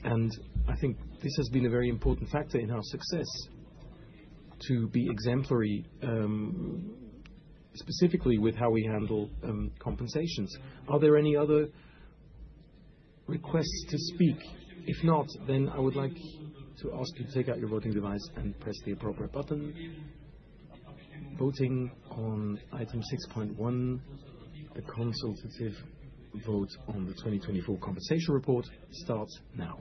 I think this has been a very important factor in our success to be exemplary, specifically with how we handle compensations. Are there any other requests to speak? If not, I would like to ask you to take out your voting device and press the appropriate button. Voting on item 6.1. The consultative vote on the 2024 compensation report starts now.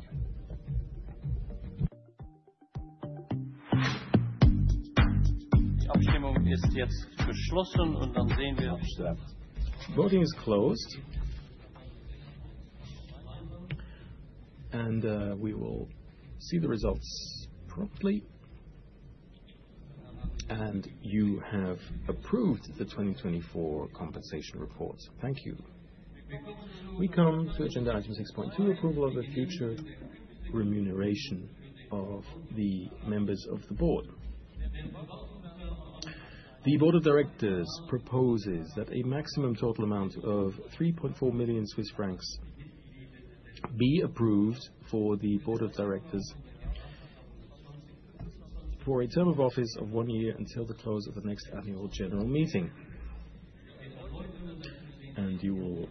Voting is closed and we will see the results promptly. You have approved the 2024 compensation report. Thank you. We come to agenda item 6.2. Approval of a future remuneration of the members of the Board. The Board of Directors proposes that a maximum total amount of 3.4 million Swiss francs be approved for the Board of Directors for a term of office of one year until the close of the next annual general meeting. You will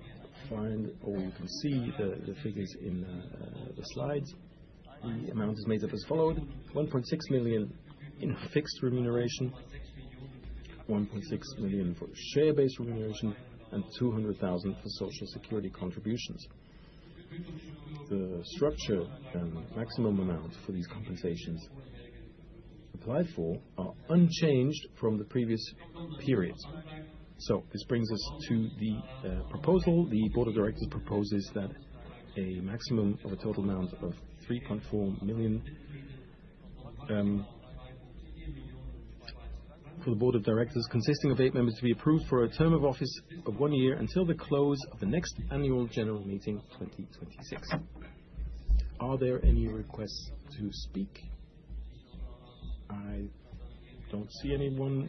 find, or you can see the figures in the slides. The amount is made up as follows. 1.6 million in fixed remuneration, 1.6 million for share-based remuneration, and 200,000 for Social Security contributions. The structure and maximum amount for these compensations applied for are unchanged from the previous periods. This brings us to the proposal. The Board of Directors proposes that a maximum of a total amount of 3.4 million for the Board of Directors consisting of eight members be approved for a term of office of one year until the close of the next Annual General Meeting 2026. Are there any requests to speak? I do not see anyone.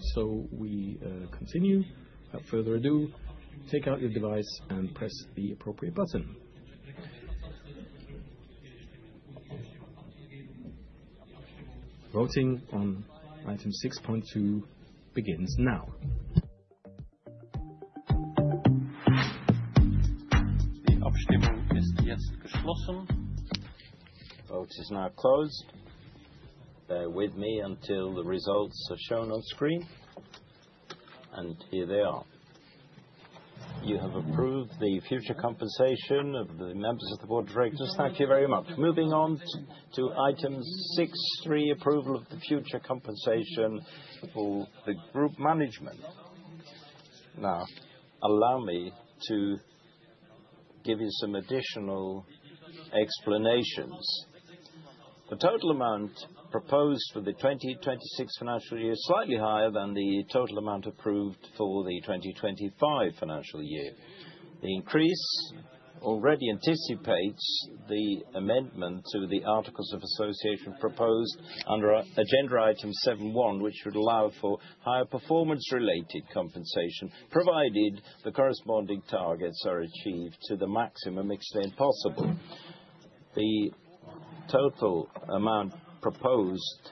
We continue without further ado. Take out your device and press the appropriate button. Voting on item 6.2 begins now. The optional Sdslossen votes is now closed. Bear with me until the results are shown on screen. Here they are. You have approved the future compensation of the members of the Board of Directors. Thank you very much. Moving to item 6 3, approval of the future compensation for the group management. Now allow me to give you some additional explanations. The total amount proposed for the 2026 financial year is slightly higher than the total amount approved for the 2025 financial year. The increase already anticipates the amendment to the Articles of Association proposed under agenda item 7 1, which would allow for higher performance related compensation provided the corresponding targets are achieved to the maximum extent possible. The total amount proposed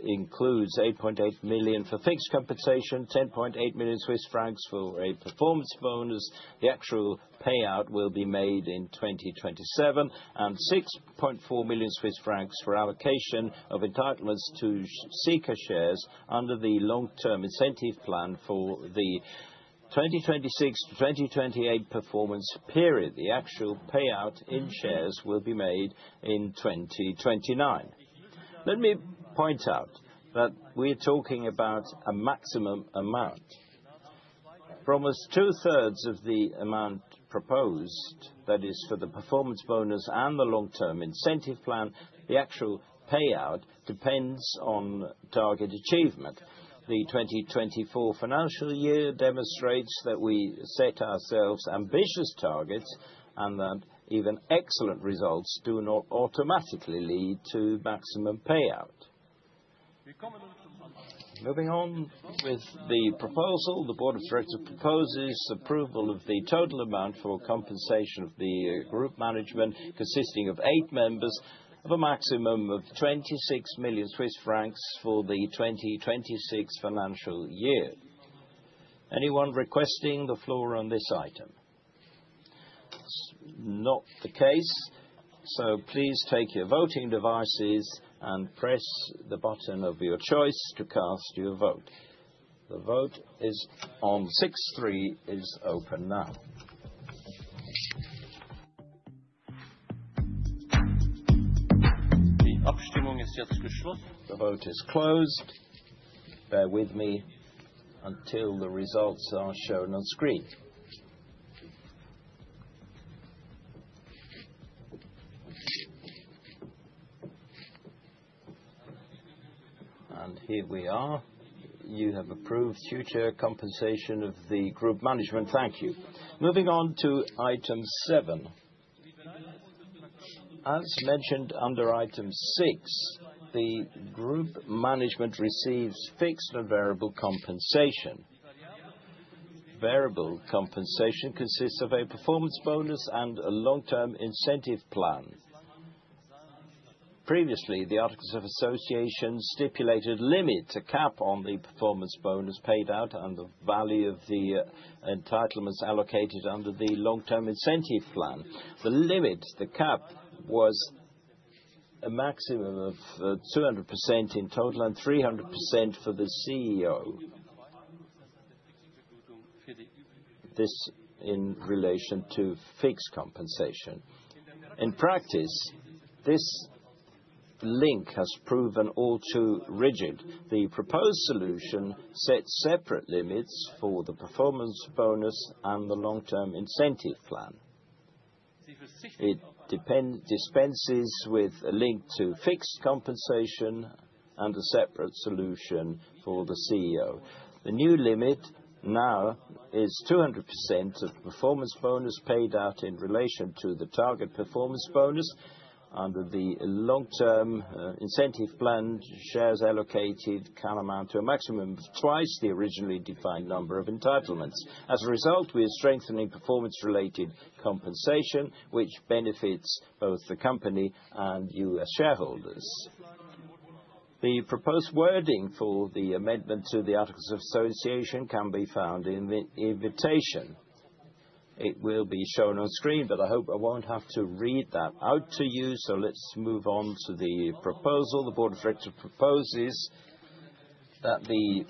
includes 8.8 million for fixed compensation, 10.8 million Swiss francs for a performance bonus. The actual payout will be made in 2027 and 6.4 million Swiss francs for allocation of entitlements to Sika shares under the long term incentive plan for the 2026-2028 performance period. The actual payout in shares will be made in 2029. Let me point out, we are talking about a maximum amount for almost two thirds of the amount proposed. That is for the performance bonus and the long term incentive plan. The actual payout depends on target achievement. The 2024 financial year demonstrates that we set ourselves ambitious targets and that even excellent results do not automatically lead to maximum payout. Moving on with the proposal, the Board of Directors proposes approval of the total amount for compensation of the Group Management consisting of eight members of a maximum of 26 million Swiss francs for the 2026 financial year. Anyone requesting the floor on this item? That's not the case. Please take your voting devices and press the button of your choice to cast your vote. The vote is on. Six three is open now. The vote is closed. Bear with me until the results are shown on screen. Here we are. You have approved future compensation of the Group Management. Thank you. Moving on to Item 7. As mentioned under Item 6, the Group Management receives fixed and variable compensation. Variable compensation consists of a performance bonus and a long term incentive plan. Previously, the Articles of Association stipulated a limit, a cap on the performance bonus paid out and the value of the entitlements allocated under the long term incentive plan. The limit, the cap, was a maximum of 200% in total and 300% for the CEO. This in relation to fixed compensation. In practice, this link has proven all too rigid. The proposed solution set separate limits for the performance bonus and the long term incentive plan. It dispenses with a link to fixed compensation and a separate solution for the CEO. The new limit now is 200% of the performance bonus paid out in relation to the target performance bonus. Under the long term incentive plan, shares allocated can amount to a maximum minimum of twice the originally defined number of entitlements. As a result, we are strengthening performance related compensation which benefits both the company and U.S. shareholders. The proposed wording for the amendment to the Articles of Association can be found in the invitation. It will be shown on screen, but I hope I won't have to read that out to you. Let's move on to the proposal. The Board of Directors proposes that the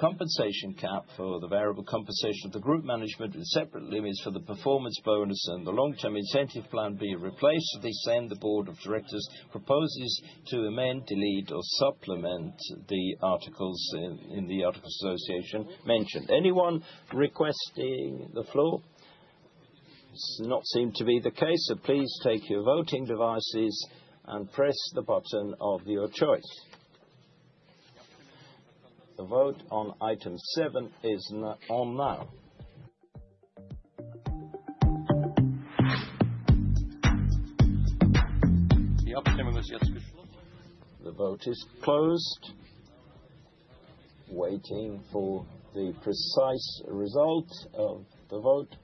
compensation cap for the variable compensation of the group management with separate limits for the performance bonus and the long term incentive plan be replaced. The Board of Directors proposes to amend, delete, or supplement the articles in the Articles association mentioned. Anyone requesting the floor? It does not seem to be the case. Please take your voting devices and press the button of your choice. The vote on item 7 is on now. The vote is closed. Waiting for the precise result of the vote.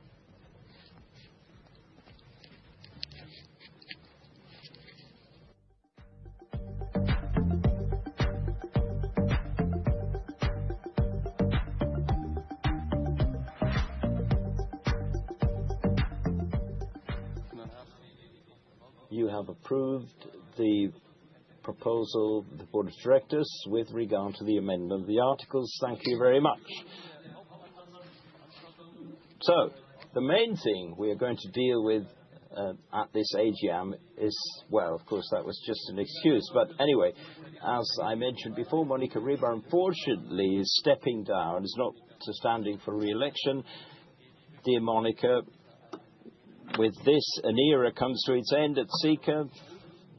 You have approved the proposal. The Board of Directors with regard to the amendment of the articles. Thank you very much. The main thing we are going to deal with at this AGM is. Of course that was just an excuse. Anyway, as I mentioned before, Monika Ribar unfortunately is stepping down. Is not standing for re-election. Dear Monika, with this an era comes to its end. At Sika,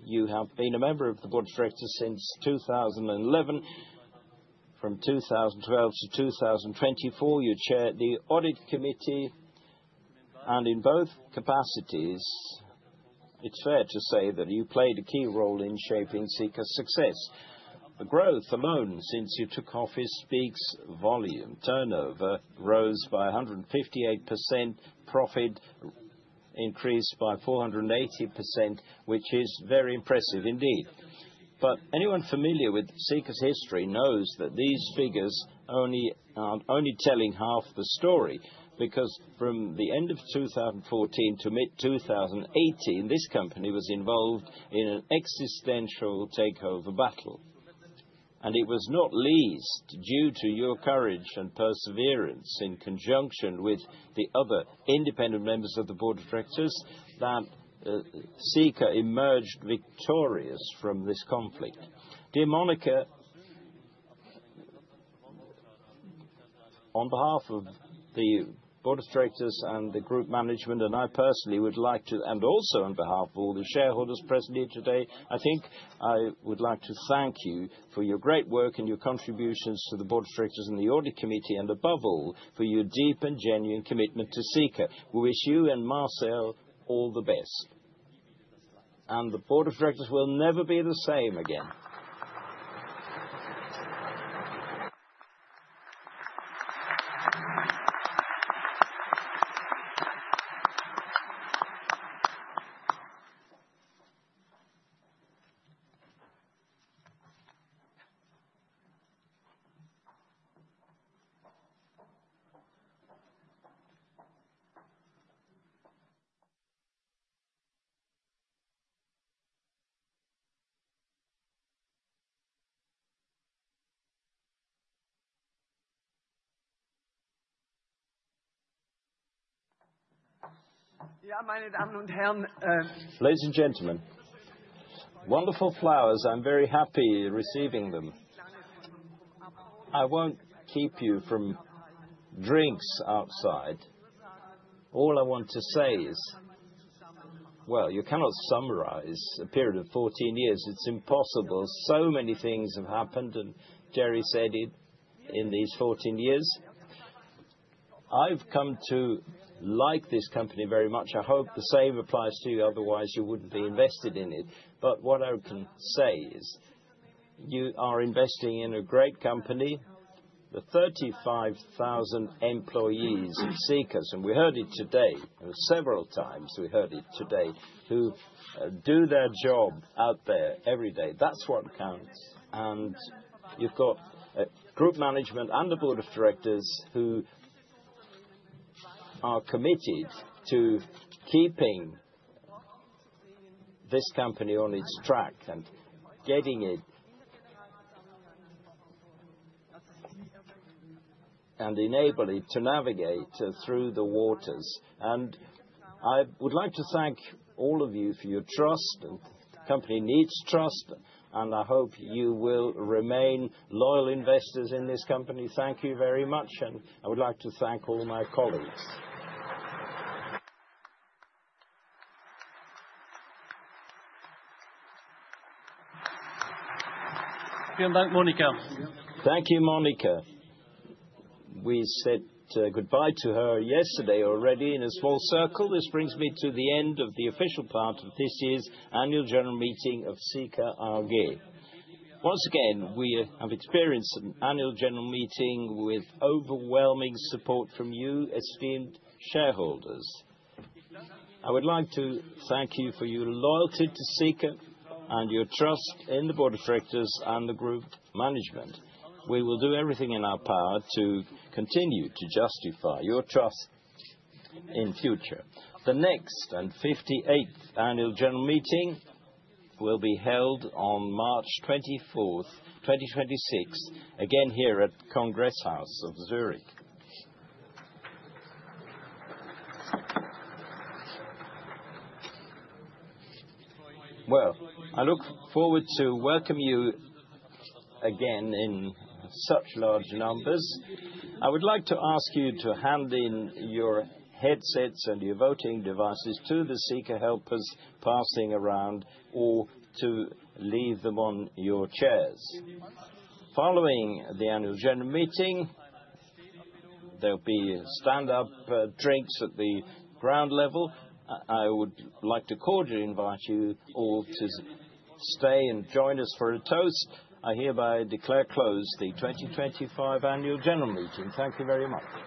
you have been a member of the Board of Directors since 2011. From 2012 to 2024 you chaired the Audit Committee. In both capacities it's fair to say that you played a key role in shaping Sika success. The growth alone since you took office speaks volumes. Turnover rose by 158%. Profit increased by 480%, which is very impressive indeed. Anyone familiar with Sika's history knows that these figures are only telling half the story. From the end of 2014 to mid 2018, this company was involved in an existential takeover battle. It was not least due to your courage and perseverance, in conjunction with the other independent members of the Board of Directors, that Sika emerged victorious from this conflict. Dear Monika, on behalf of the Board of Directors and the Group Management and I personally would like to, and also on behalf of all the shareholders present here today, I think I would like to thank you for your great work and your contributions to the Board of Directors and the Audit Committee, and above all for your deep and genuine commitment to Sika. We wish you and Marcel all the best. The Board of Directors will never be the same again. Ladies and gentlemen, wonderful flowers. I'm very happy receiving them. I won't keep you from drinks outside. All I want to say is you cannot summarize a period of 14 years. It's impossible. So many things have happened and Thierry said it. In these 14 years, I've come to like this company very much. I hope the same applies to you, otherwise you wouldn't be invested in it. What I can say is you are investing in a great company. The 35,000 employees, seekers. We heard it today, several times. We heard it today. Who do their job out there every day. That's what counts. You've got group management and the Board of Directors who are committed to keeping this company on its track and getting it. Enable it to navigate through the waters. I would like to thank all of you for trust. The company needs trust. I hope you will remain loyal investors in this company. Thank you very much. I would like to thank all my colleagues. Thank you, Monika. We said goodbye to her yesterday already in a small circle. This brings me to the end of the official part of this year's Annual General Meeting of Sika AG. Once again we have experienced an Annual General Meeting with overwhelming support from you esteemed shareholders. I would like to thank you for your loyalty to Sika and your trust in the Board of Directors and the Group Management. We will do everything in our power to continue to justify your trust in future. The next and 58th Annual General Meeting will be held on March 24, 2026 again here at Congress House of Zurich. I look forward to welcoming you again in such large numbers. I would like to ask you to hand in your headsets and your voting devices to the Sika helpers passing around or to leave them on your chairs. Following the annual general meeting, there will be stand up drinks at the ground level. I would like to cordially invite you all to stay and join us for a toast. I hereby declare close the 2025 annual general meeting. Thank you very much.